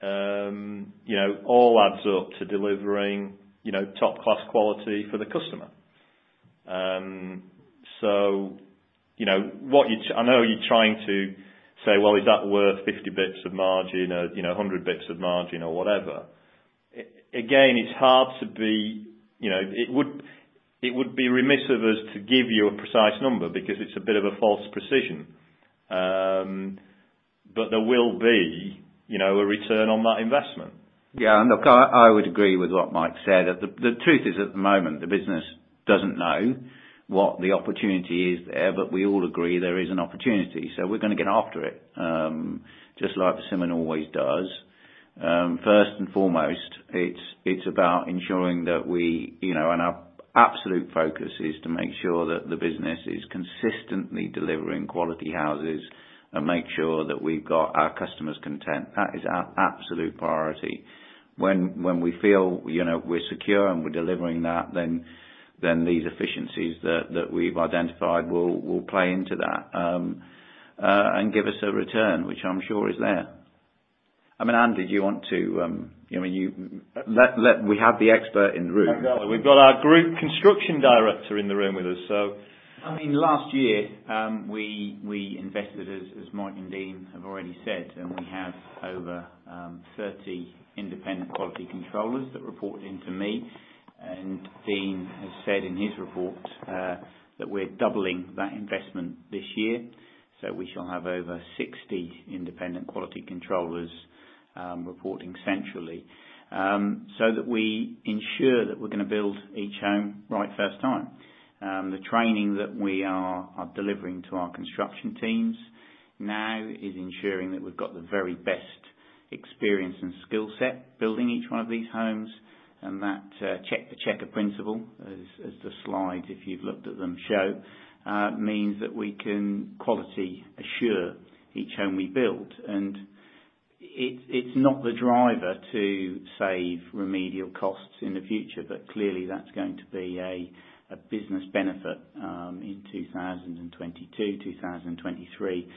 all adds up to delivering top-class quality for the customer. I know you're trying to say, well, is that worth 50 bps of margin or 100 bps of margin or whatever. It would be remiss of us to give you a precise number because it's a bit of a false precision. There will be a return on that investment. Yeah. Look, I would agree with what Mike said. The truth is, at the moment, the business doesn't know what the opportunity is there. We all agree there is an opportunity, we're going to get after it, just like Persimmon always does. First and foremost, it's about ensuring that our absolute focus is to make sure that the business is consistently delivering quality houses and make sure that we've got our customers content. That is our absolute priority. When we feel we're secure and we're delivering that, these efficiencies that we've identified will play into that and give us a return, which I'm sure is there. I mean, Andy, do you want to, let we have the expert in the room. We've got our Group Construction Director in the room with us. I mean, last year, we invested, as Mike and Dean have already said, we have over 30 independent quality controllers that report into me. Dean has said in his report that we're doubling that investment this year. We shall have over 60 independent quality controllers reporting centrally, so that we ensure that we're going to build each home right first time. The training that we are delivering to our construction teams now is ensuring that we've got the very best experience and skill set building each one of these homes, that checker principle, as the slides, if you've looked at them, show, means that we can quality assure each home we build. It's not the driver to save remedial costs in the future. Clearly that's going to be a business benefit, in 2022, 2023.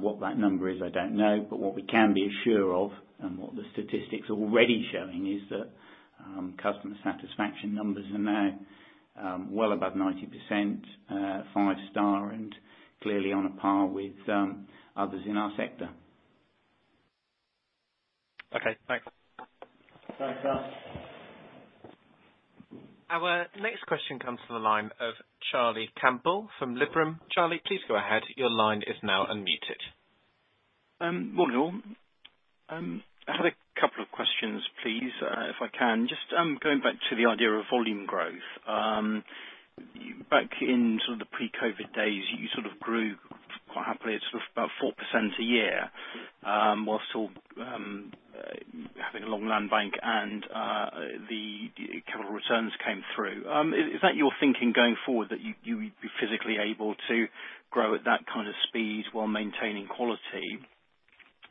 What that number is, I don't know. What we can be assure of and what the statistics are already showing is that customer satisfaction numbers are now well above 90%, five-star, and clearly on a par with others in our sector. Okay, thanks. Thanks, Sam. Our next question comes from the line of Charlie Campbell from Liberum. Charlie, please go ahead. Morning, all. I have a couple of questions, please, if I can. Just going back to the idea of volume growth. Back in sort of the pre-COVID days, you sort of grew quite happily at sort of about 4% a year, whilst all having a long land bank and the capital returns came through. Is that your thinking going forward, that you would be physically able to grow at that kind of speed while maintaining quality?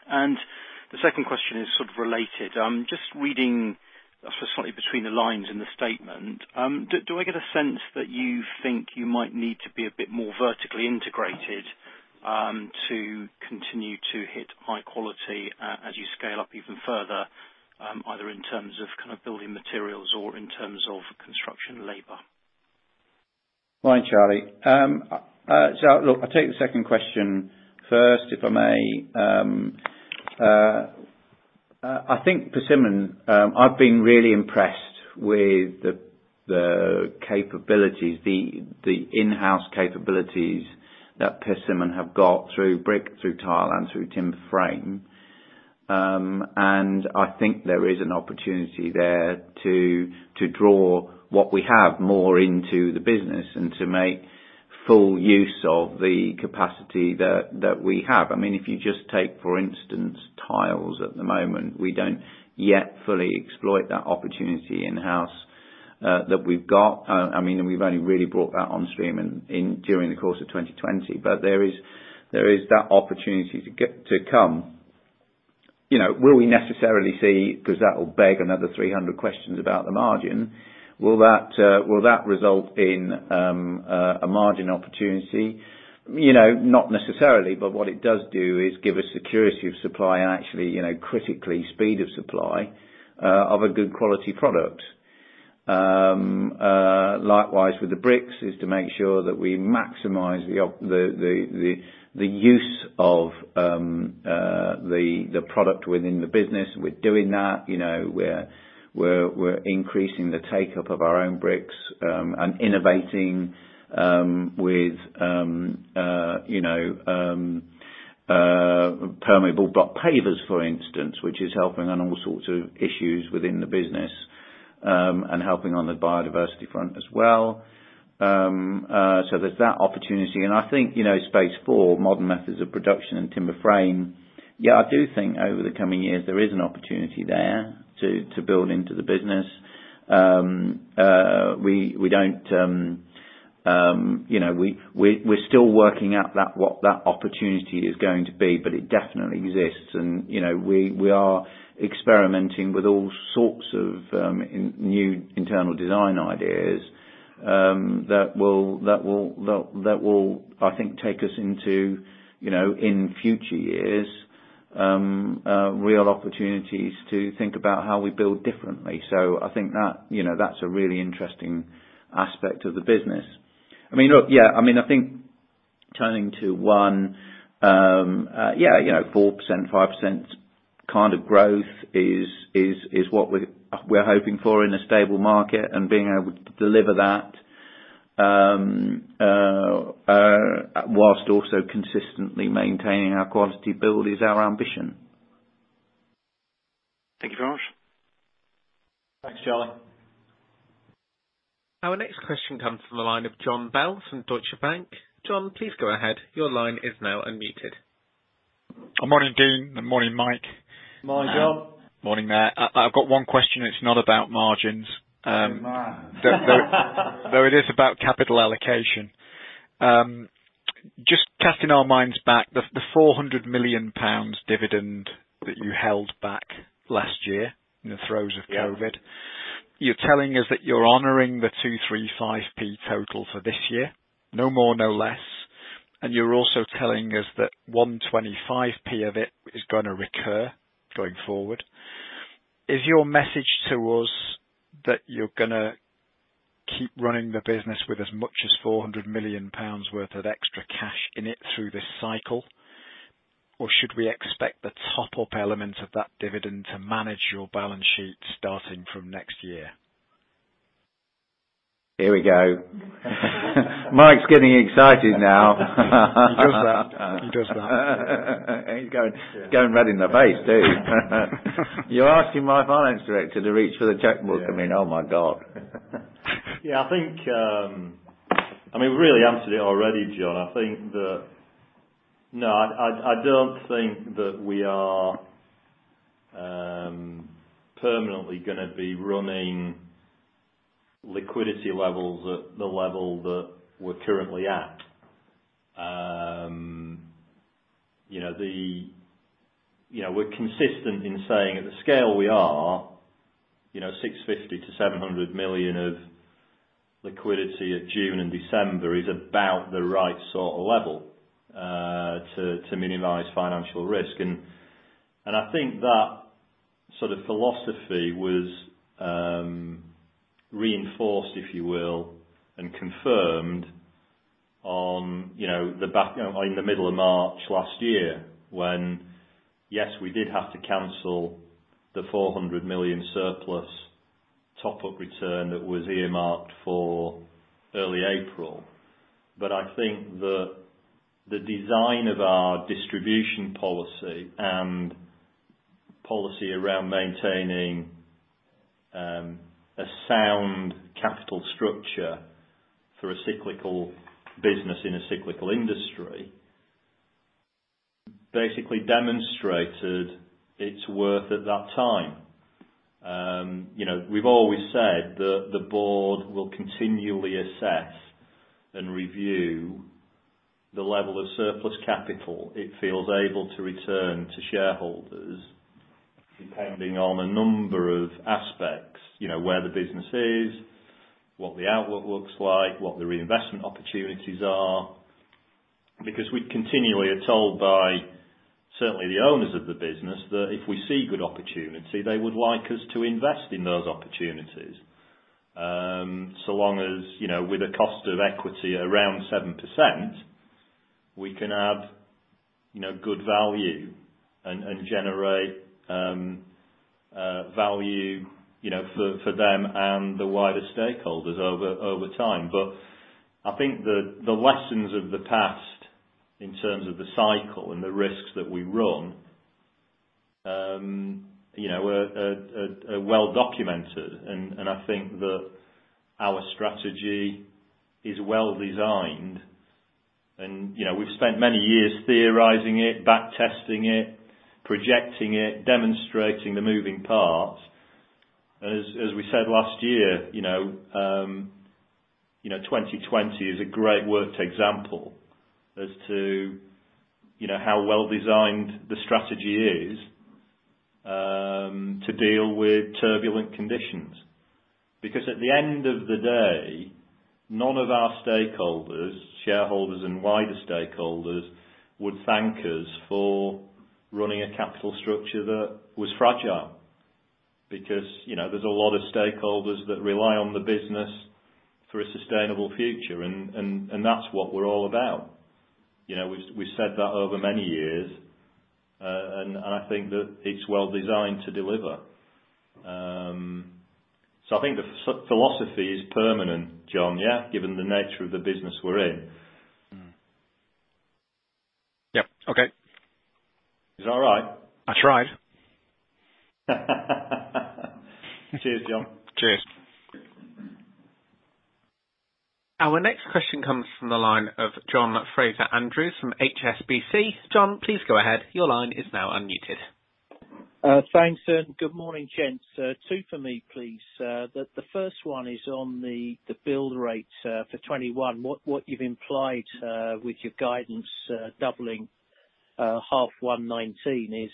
The second question is sort of related. Just reading slightly between the lines in the statement, do I get a sense that you think you might need to be a bit more vertically integrated, to continue to hit high quality as you scale up even further, either in terms of kind of building materials or in terms of construction labor? Morning, Charlie. Look, I'll take the second question first, if I may. I think Persimmon, I've been really impressed with the capabilities, the in-house capabilities that Persimmon have got through brick, through tile and through timber frame. I think there is an opportunity there to draw what we have more into the business and to make full use of the capacity that we have. If you just take, for instance, tiles at the moment, we don't yet fully exploit that opportunity in-house that we've got. We've only really brought that on stream during the course of 2020. There is that opportunity to come. Will we necessarily see, because that will beg another 300 questions about the margin, will that result in a margin opportunity? Not necessarily, what it does do is give us security of supply and actually, critically, speed of supply of a good quality product. Likewise, with the bricks, is to make sure that we maximize the use of the product within the business. We're doing that. We're increasing the take-up of our own bricks, and innovating with permeable block pavers, for instance, which is helping on all sorts of issues within the business, and helping on the biodiversity front as well. There's that opportunity, and I think Space4, modern methods of production and timber frame, yeah, I do think over the coming years, there is an opportunity there to build into the business. We're still working out what that opportunity is going to be, but it definitely exists. We are experimenting with all sorts of new internal design ideas, that will, I think, take us into, in future years, real opportunities to think about how we build differently. I think that's a really interesting aspect of the business. Look, yeah, I think turning to 4%-5% kind of growth is what we're hoping for in a stable market and being able to deliver that whilst also consistently maintaining our quality build is our ambition. Thank you very much. Thanks, Charlie. Our next question comes from the line of Jon Bell from Deutsche Bank. Jon, please go ahead. Morning, Dean. Morning, Mike. Morning, Jon. Morning, Mike. I've got one question. It's not about margins. Oh, man. It is about capital allocation. Just casting our minds back, the 400 million pounds dividend that you held back last year in the throes of COVID. You're telling us that you're honoring the 2.35 total for this year. No more, no less. You're also telling us that 1.25 of it is going to recur going forward. Is your message to us that you're going to keep running the business with as much as 400 million pounds worth of extra cash in it through this cycle? Should we expect the top-up element of that dividend to manage your balance sheet starting from next year? Here we go. Mike's getting excited now. He does that. He does that. He's going red in the face, too. You're asking my finance director to reach for the checkbook. I mean, oh, my God. Yeah. We really answered it already, Jon. I don't think that we are permanently going to be running liquidity levels at the level that we're currently at. We're consistent in saying at the scale we are, 650 million-700 million of liquidity at June and December is about the right sort of level to minimize financial risk. I think that sort of philosophy was reinforced, if you will, and confirmed in the middle of March last year, when, yes, we did have to cancel the 400 million surplus top-up return that was earmarked for early April. I think that the design of our distribution policy and policy around maintaining a sound capital structure for a cyclical business in a cyclical industry basically demonstrated its worth at that time. We've always said that the board will continually assess and review the level of surplus capital it feels able to return to shareholders depending on a number of aspects, where the business is, what the outlook looks like, what the reinvestment opportunities are. We continually are told by certainly the owners of the business that if we see good opportunity, they would like us to invest in those opportunities. So long as with a cost of equity around 7%, we can add good value and generate value for them and the wider stakeholders over time. I think the lessons of the past in terms of the cycle and the risks that we run are well documented, and I think that our strategy is well designed. We've spent many years theorizing it, back testing it, projecting it, demonstrating the moving parts. As we said last year, 2020 is a great worked example as to how well designed the strategy is to deal with turbulent conditions. At the end of the day, none of our stakeholders, shareholders and wider stakeholders, would thank us for running a capital structure that was fragile. There's a lot of stakeholders that rely on the business for a sustainable future, and that's what we're all about. We said that over many years, and I think that it's well designed to deliver. I think the philosophy is permanent, Jon, yeah? Given the nature of the business we're in. Yep. Okay. Is that all right? That's right. Cheers, Jon. Cheers. Our next question comes from the line of John Fraser-Andrews from HSBC. John, please go ahead. Thanks. Good morning, gents. Two for me, please. The first one is on the build rate for 2021. What you've implied with your guidance doubling H1 2019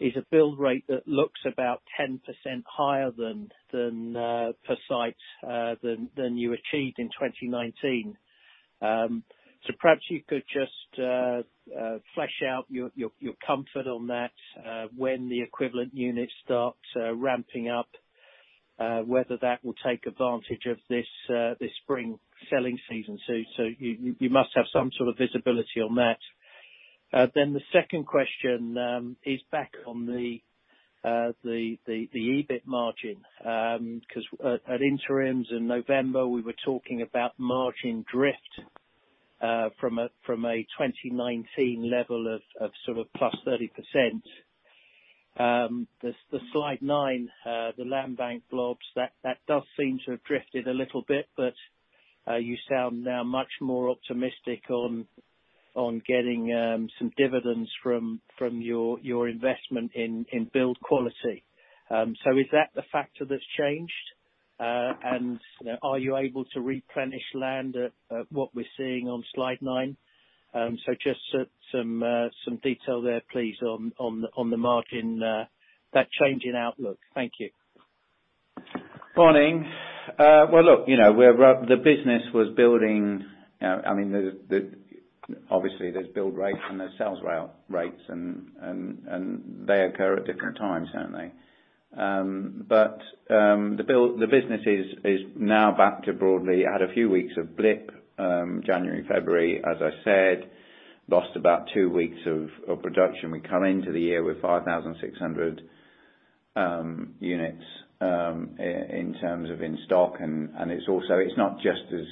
is a build rate that looks about 10% higher per site than you achieved in 2019. Perhaps you could just flesh out your comfort on that when the equivalent unit starts ramping up, whether that will take advantage of this spring selling season. You must have some sort of visibility on that. The second question is back on the EBIT margin. At interims in November, we were talking about margin drift from a 2019 level of sort of plus 30%. The slide nine, the land bank blobs, that does seem to have drifted a little bit, but you sound now much more optimistic on getting some dividends from your investment in build quality. Is that the factor that's changed? Are you able to replenish land at what we're seeing on slide nine? Just some detail there, please, on the margin, that change in outlook. Thank you. Morning. Look, the business was building. Obviously, there's build rates and there's sales rates, and they occur at different times, don't they? The business is now back to broadly. Had a few weeks of blip, January, February, as I said, lost about two weeks of production. We come into the year with 5,600 units in terms of in-stock. It's not just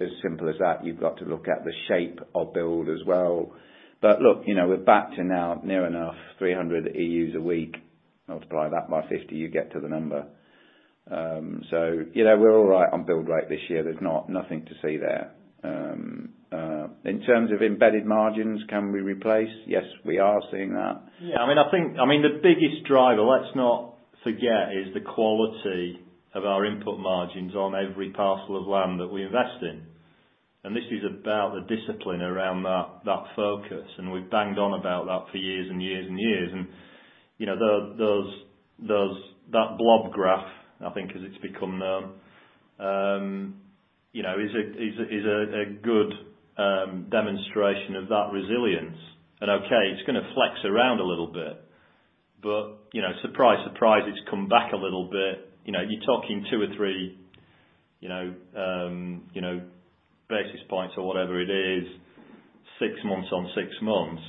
as simple as that. You've got to look at the shape of build as well. Look, we're back to now near enough 300 EUs a week. Multiply that by 50, you get to the number. We're all right on build rate this year. There's nothing to see there. In terms of embedded margins, can we replace? Yes, we are seeing that. Yeah. I think the biggest driver, let's not forget, is the quality of our input margins on every parcel of land that we invest in. This is about the discipline around that focus, and we've banged on about that for years and years and years. That blob graph, I think as it's become known, is a good demonstration of that resilience. Okay, it's going to flex around a little bit. Surprise, surprise, it's come back a little bit. You're talking two or three basis points or whatever it is, six months on six months.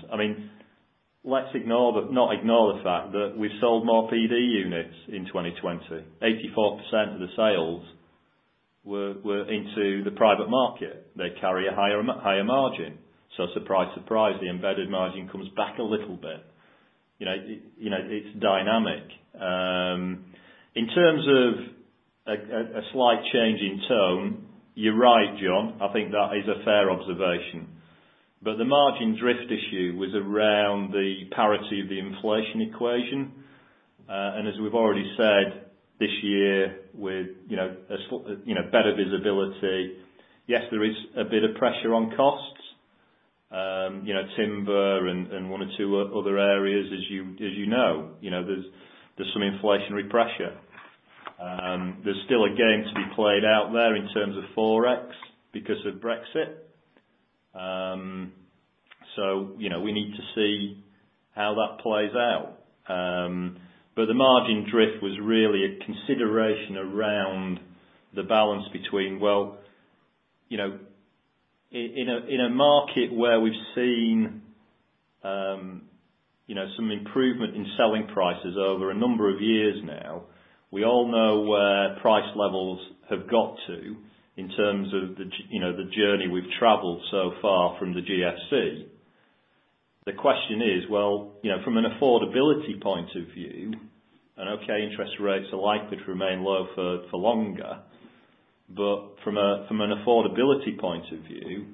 Let's not ignore the fact that we sold more private units in 2020. 84% of the sales were into the private market. They carry a higher margin. Surprise, surprise, the embedded margin comes back a little bit. It's dynamic. In terms of a slight change in tone, you're right, John, I think that is a fair observation. The margin drift issue was around the parity of the inflation equation. As we've already said, this year with better visibility, yes, there is a bit of pressure on costs. Timber and one or two other areas as you know. There's some inflationary pressure. There's still a game to be played out there in terms of forex because of Brexit. We need to see how that plays out. The margin drift was really a consideration around the balance between, well, in a market where we've seen some improvement in selling prices over a number of years now, we all know where price levels have got to in terms of the journey we've traveled so far from the GFC. The question is, well, from an affordability point of view, and okay, interest rates are likely to remain low for longer, but from an affordability point of view,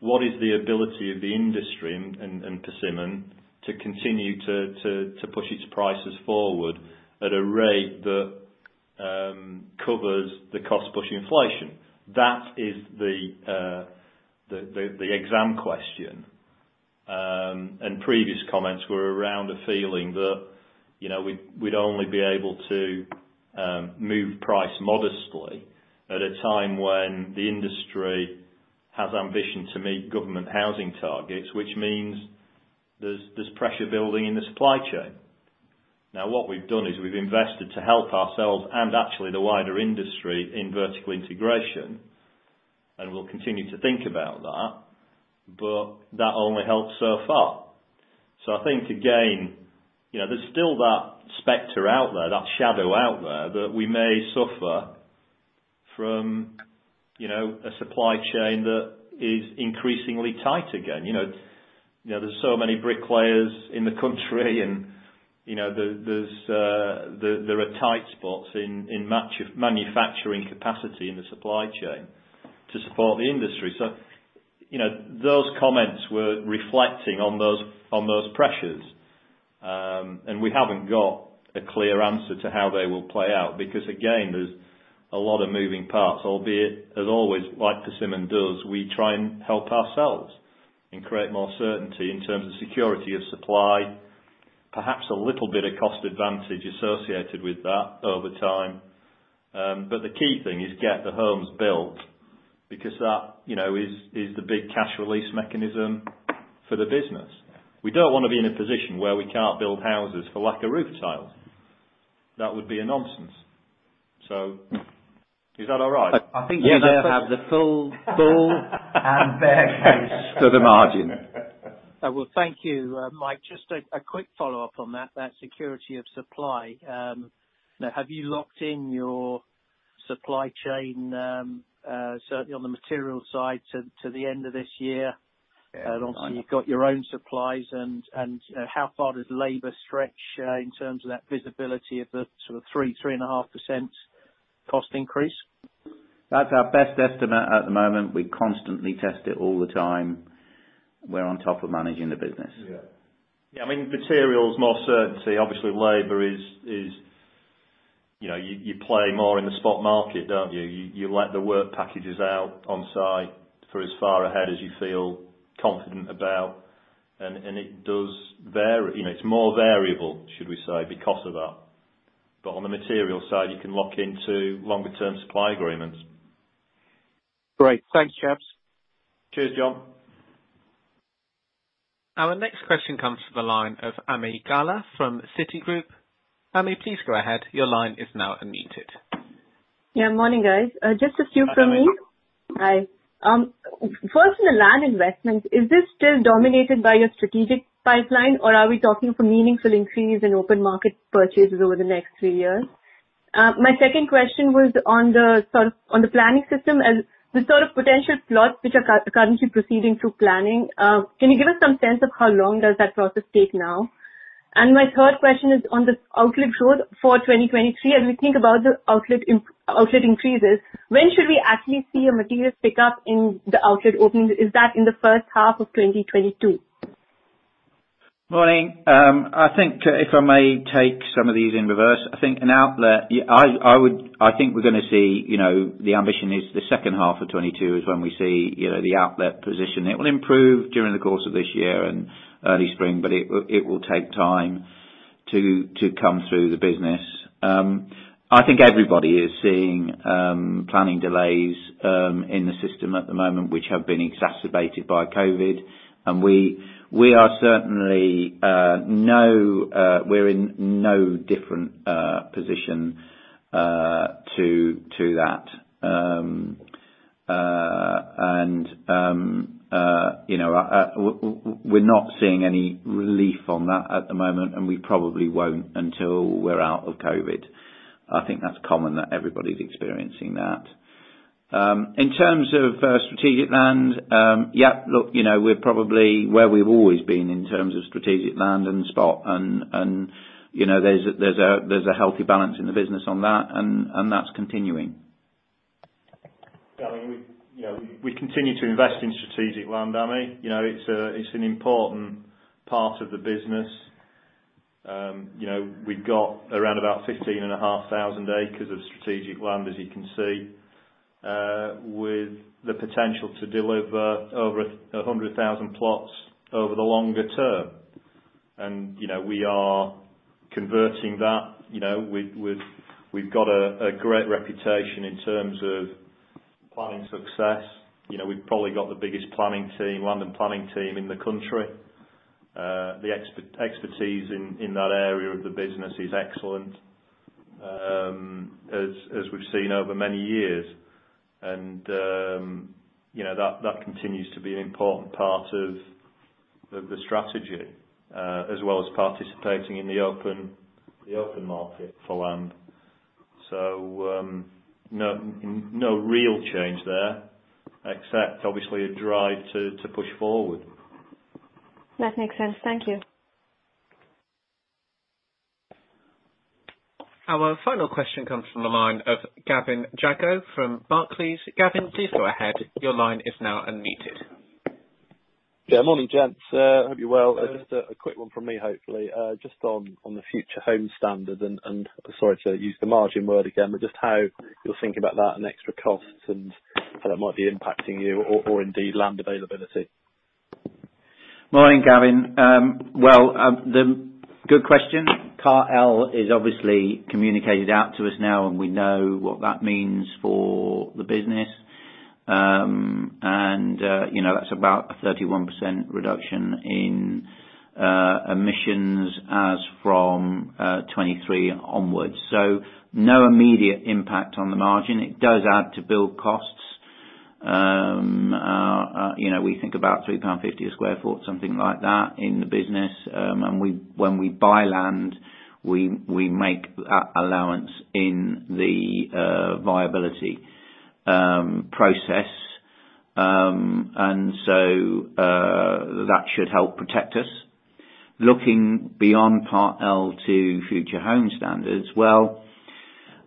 what is the ability of the industry and Persimmon to continue to push its prices forward at a rate that covers the cost pushing inflation? That is the exam question. Previous comments were around a feeling that we'd only be able to move price modestly at a time when the industry has ambition to meet government housing targets, which means there's pressure building in the supply chain. What we've done is we've invested to help ourselves and actually the wider industry in vertical integration, and we'll continue to think about that, but that only helps so far. I think again, there's still that specter out there, that shadow out there, that we may suffer from a supply chain that is increasingly tight again. There's so many bricklayers in the country, and there are tight spots in manufacturing capacity in the supply chain to support the industry. Those comments were reflecting on those pressures. We haven't got a clear answer to how they will play out, because again, there's a lot of moving parts, albeit, as always, like Persimmon does, we try and help ourselves and create more certainty in terms of security of supply. Perhaps a little bit of cost advantage associated with that over time. The key thing is get the homes built, because that is the big cash release mechanism for the business. We don't want to be in a position where we can't build houses for lack of roof tiles. That would be a nonsense. Is that all right? I think we have the full bull and bear case for the margin. Well, thank you, Mike. Just a quick follow-up on that security of supply. Have you locked in your supply chain, certainly on the material side, to the end of this year? Obviously, you've got your own supplies, how far does labor stretch in terms of that visibility of the 3.5% cost increase? That's our best estimate at the moment. We constantly test it all the time. We're on top of managing the business. Yeah. Materials, more certainty. Obviously, you play more in the spot market, don't you? You let the work packages out on site for as far ahead as you feel confident about. It's more variable, should we say, because of that. On the material side, you can lock into longer term supply agreements. Great. Thanks, chaps. Cheers, John. Our next question comes from the line of Ami Galla from Citigroup. Ami, please go ahead. Yeah. Morning, guys. Just a few from me. Hi, Ami. Hi. First, on the land investment, is this still dominated by your strategic pipeline, or are we talking from meaningful increase in open market purchases over the next three years? My second question was on the planning system and the sort of potential plots which are currently proceeding through planning. Can you give us some sense of how long does that process take now? My third question is on the outlet growth for 2023. As we think about the outlet increases, when should we at least see a material pick-up in the outlet openings? Is that in the first half of 2022? Morning. I think if I may take some of these in reverse, I think an outlet, I think we're going to see the ambition is the second half of 2022 is when we see the outlet position. It will improve during the course of this year and early spring, but it will take time to come through the business. I think everybody is seeing planning delays in the system at the moment, which have been exacerbated by COVID. We're in no different position to that. We're not seeing any relief on that at the moment, and we probably won't until we're out of COVID. I think that's common that everybody's experiencing that. In terms of strategic land, yeah, look, we're probably where we've always been in terms of strategic land and spot. There's a healthy balance in the business on that, and that's continuing. Yeah, we continue to invest in strategic land, Ami. It's an important part of the business. We've got around about 15,500 acres of strategic land, as you can see, with the potential to deliver over 100,000 plots over the longer term. We are converting that. We've got a great reputation in terms of planning success. We've probably got the biggest planning team, land and planning team in the country. The expertise in that area of the business is excellent, as we've seen over many years. That continues to be an important part of the strategy, as well as participating in the open market for land. No real change there, except obviously a drive to push forward. That makes sense. Thank you. Our final question comes from the line of Gavin Jago from Barclays. Gavin, please go ahead. Yeah, morning gents. Hope you're well. Just a quick one from me, hopefully. Just on the Future Homes Standard, sorry to use the margin word again, but just how you're thinking about that and extra costs and how that might be impacting you or indeed land availability. Morning, Gavin. Well, good question. Part L is obviously communicated out to us now and we know what that means for the business. That's about a 31% reduction in emissions as from 2023 onwards. No immediate impact on the margin. It does add to build costs. We think about 3.50 pound a sq ft, something like that in the business. When we buy land, we make that allowance in the viability process. That should help protect us. Looking beyond Part L to Future Homes Standard, well,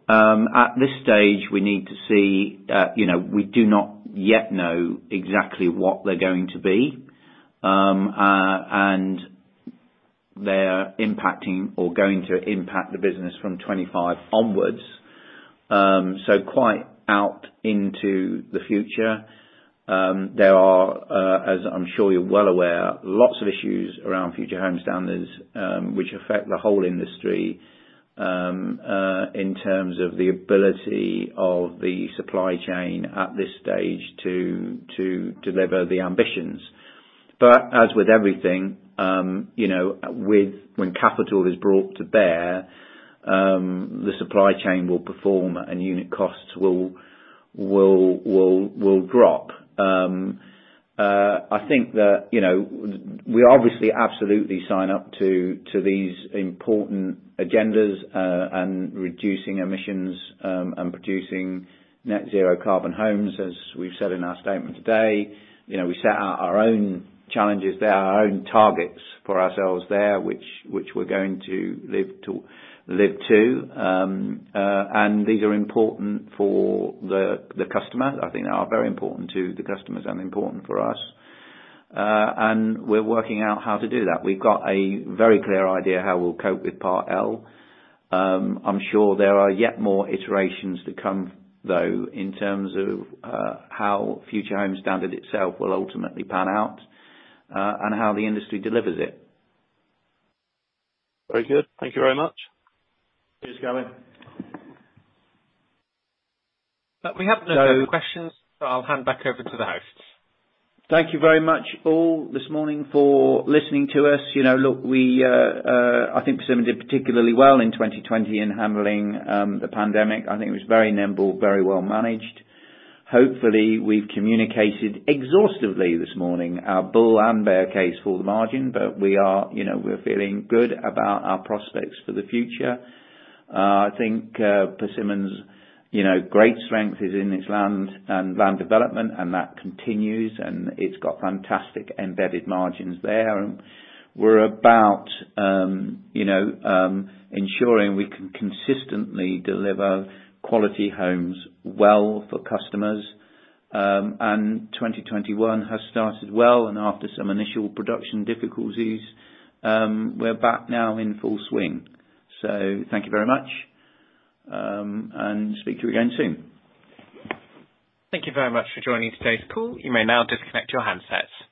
at this stage we do not yet know exactly what they're going to be. They're impacting or going to impact the business from 2025 onwards. Quite out into the future. There are, as I'm sure you're well aware, lots of issues around Future Homes Standard which affect the whole industry in terms of the ability of the supply chain at this stage to deliver the ambitions. As with everything, when capital is brought to bear, the supply chain will perform and unit costs will drop. I think that we obviously absolutely sign up to these important agendas and reducing emissions and producing net zero carbon homes as we've said in our statement today. We set out our own challenges there, our own targets for ourselves there, which we're going to live to. These are important for the customer. I think they are very important to the customers and important for us. We're working out how to do that. We've got a very clear idea how we'll cope with Part L. I'm sure there are yet more iterations to come, though, in terms of how Future Homes Standard itself will ultimately pan out, and how the industry delivers it. Very good. Thank you very much. Cheers, Gavin. We have no further questions. I'll hand back over to the hosts. Thank you very much, all this morning for listening to us. I think Persimmon did particularly well in 2020 in handling the pandemic. I think it was very nimble, very well managed. Hopefully we've communicated exhaustively this morning our bull and bear case for the margin, but we're feeling good about our prospects for the future. I think Persimmon's great strength is in its land and land development and that continues and it's got fantastic embedded margins there. We're about ensuring we can consistently deliver quality homes well for customers. 2021 has started well, and after some initial production difficulties, we're back now in full swing. Thank you very much, and speak to you again soon. Thank you very much for joining today's call. You may now disconnect your handsets.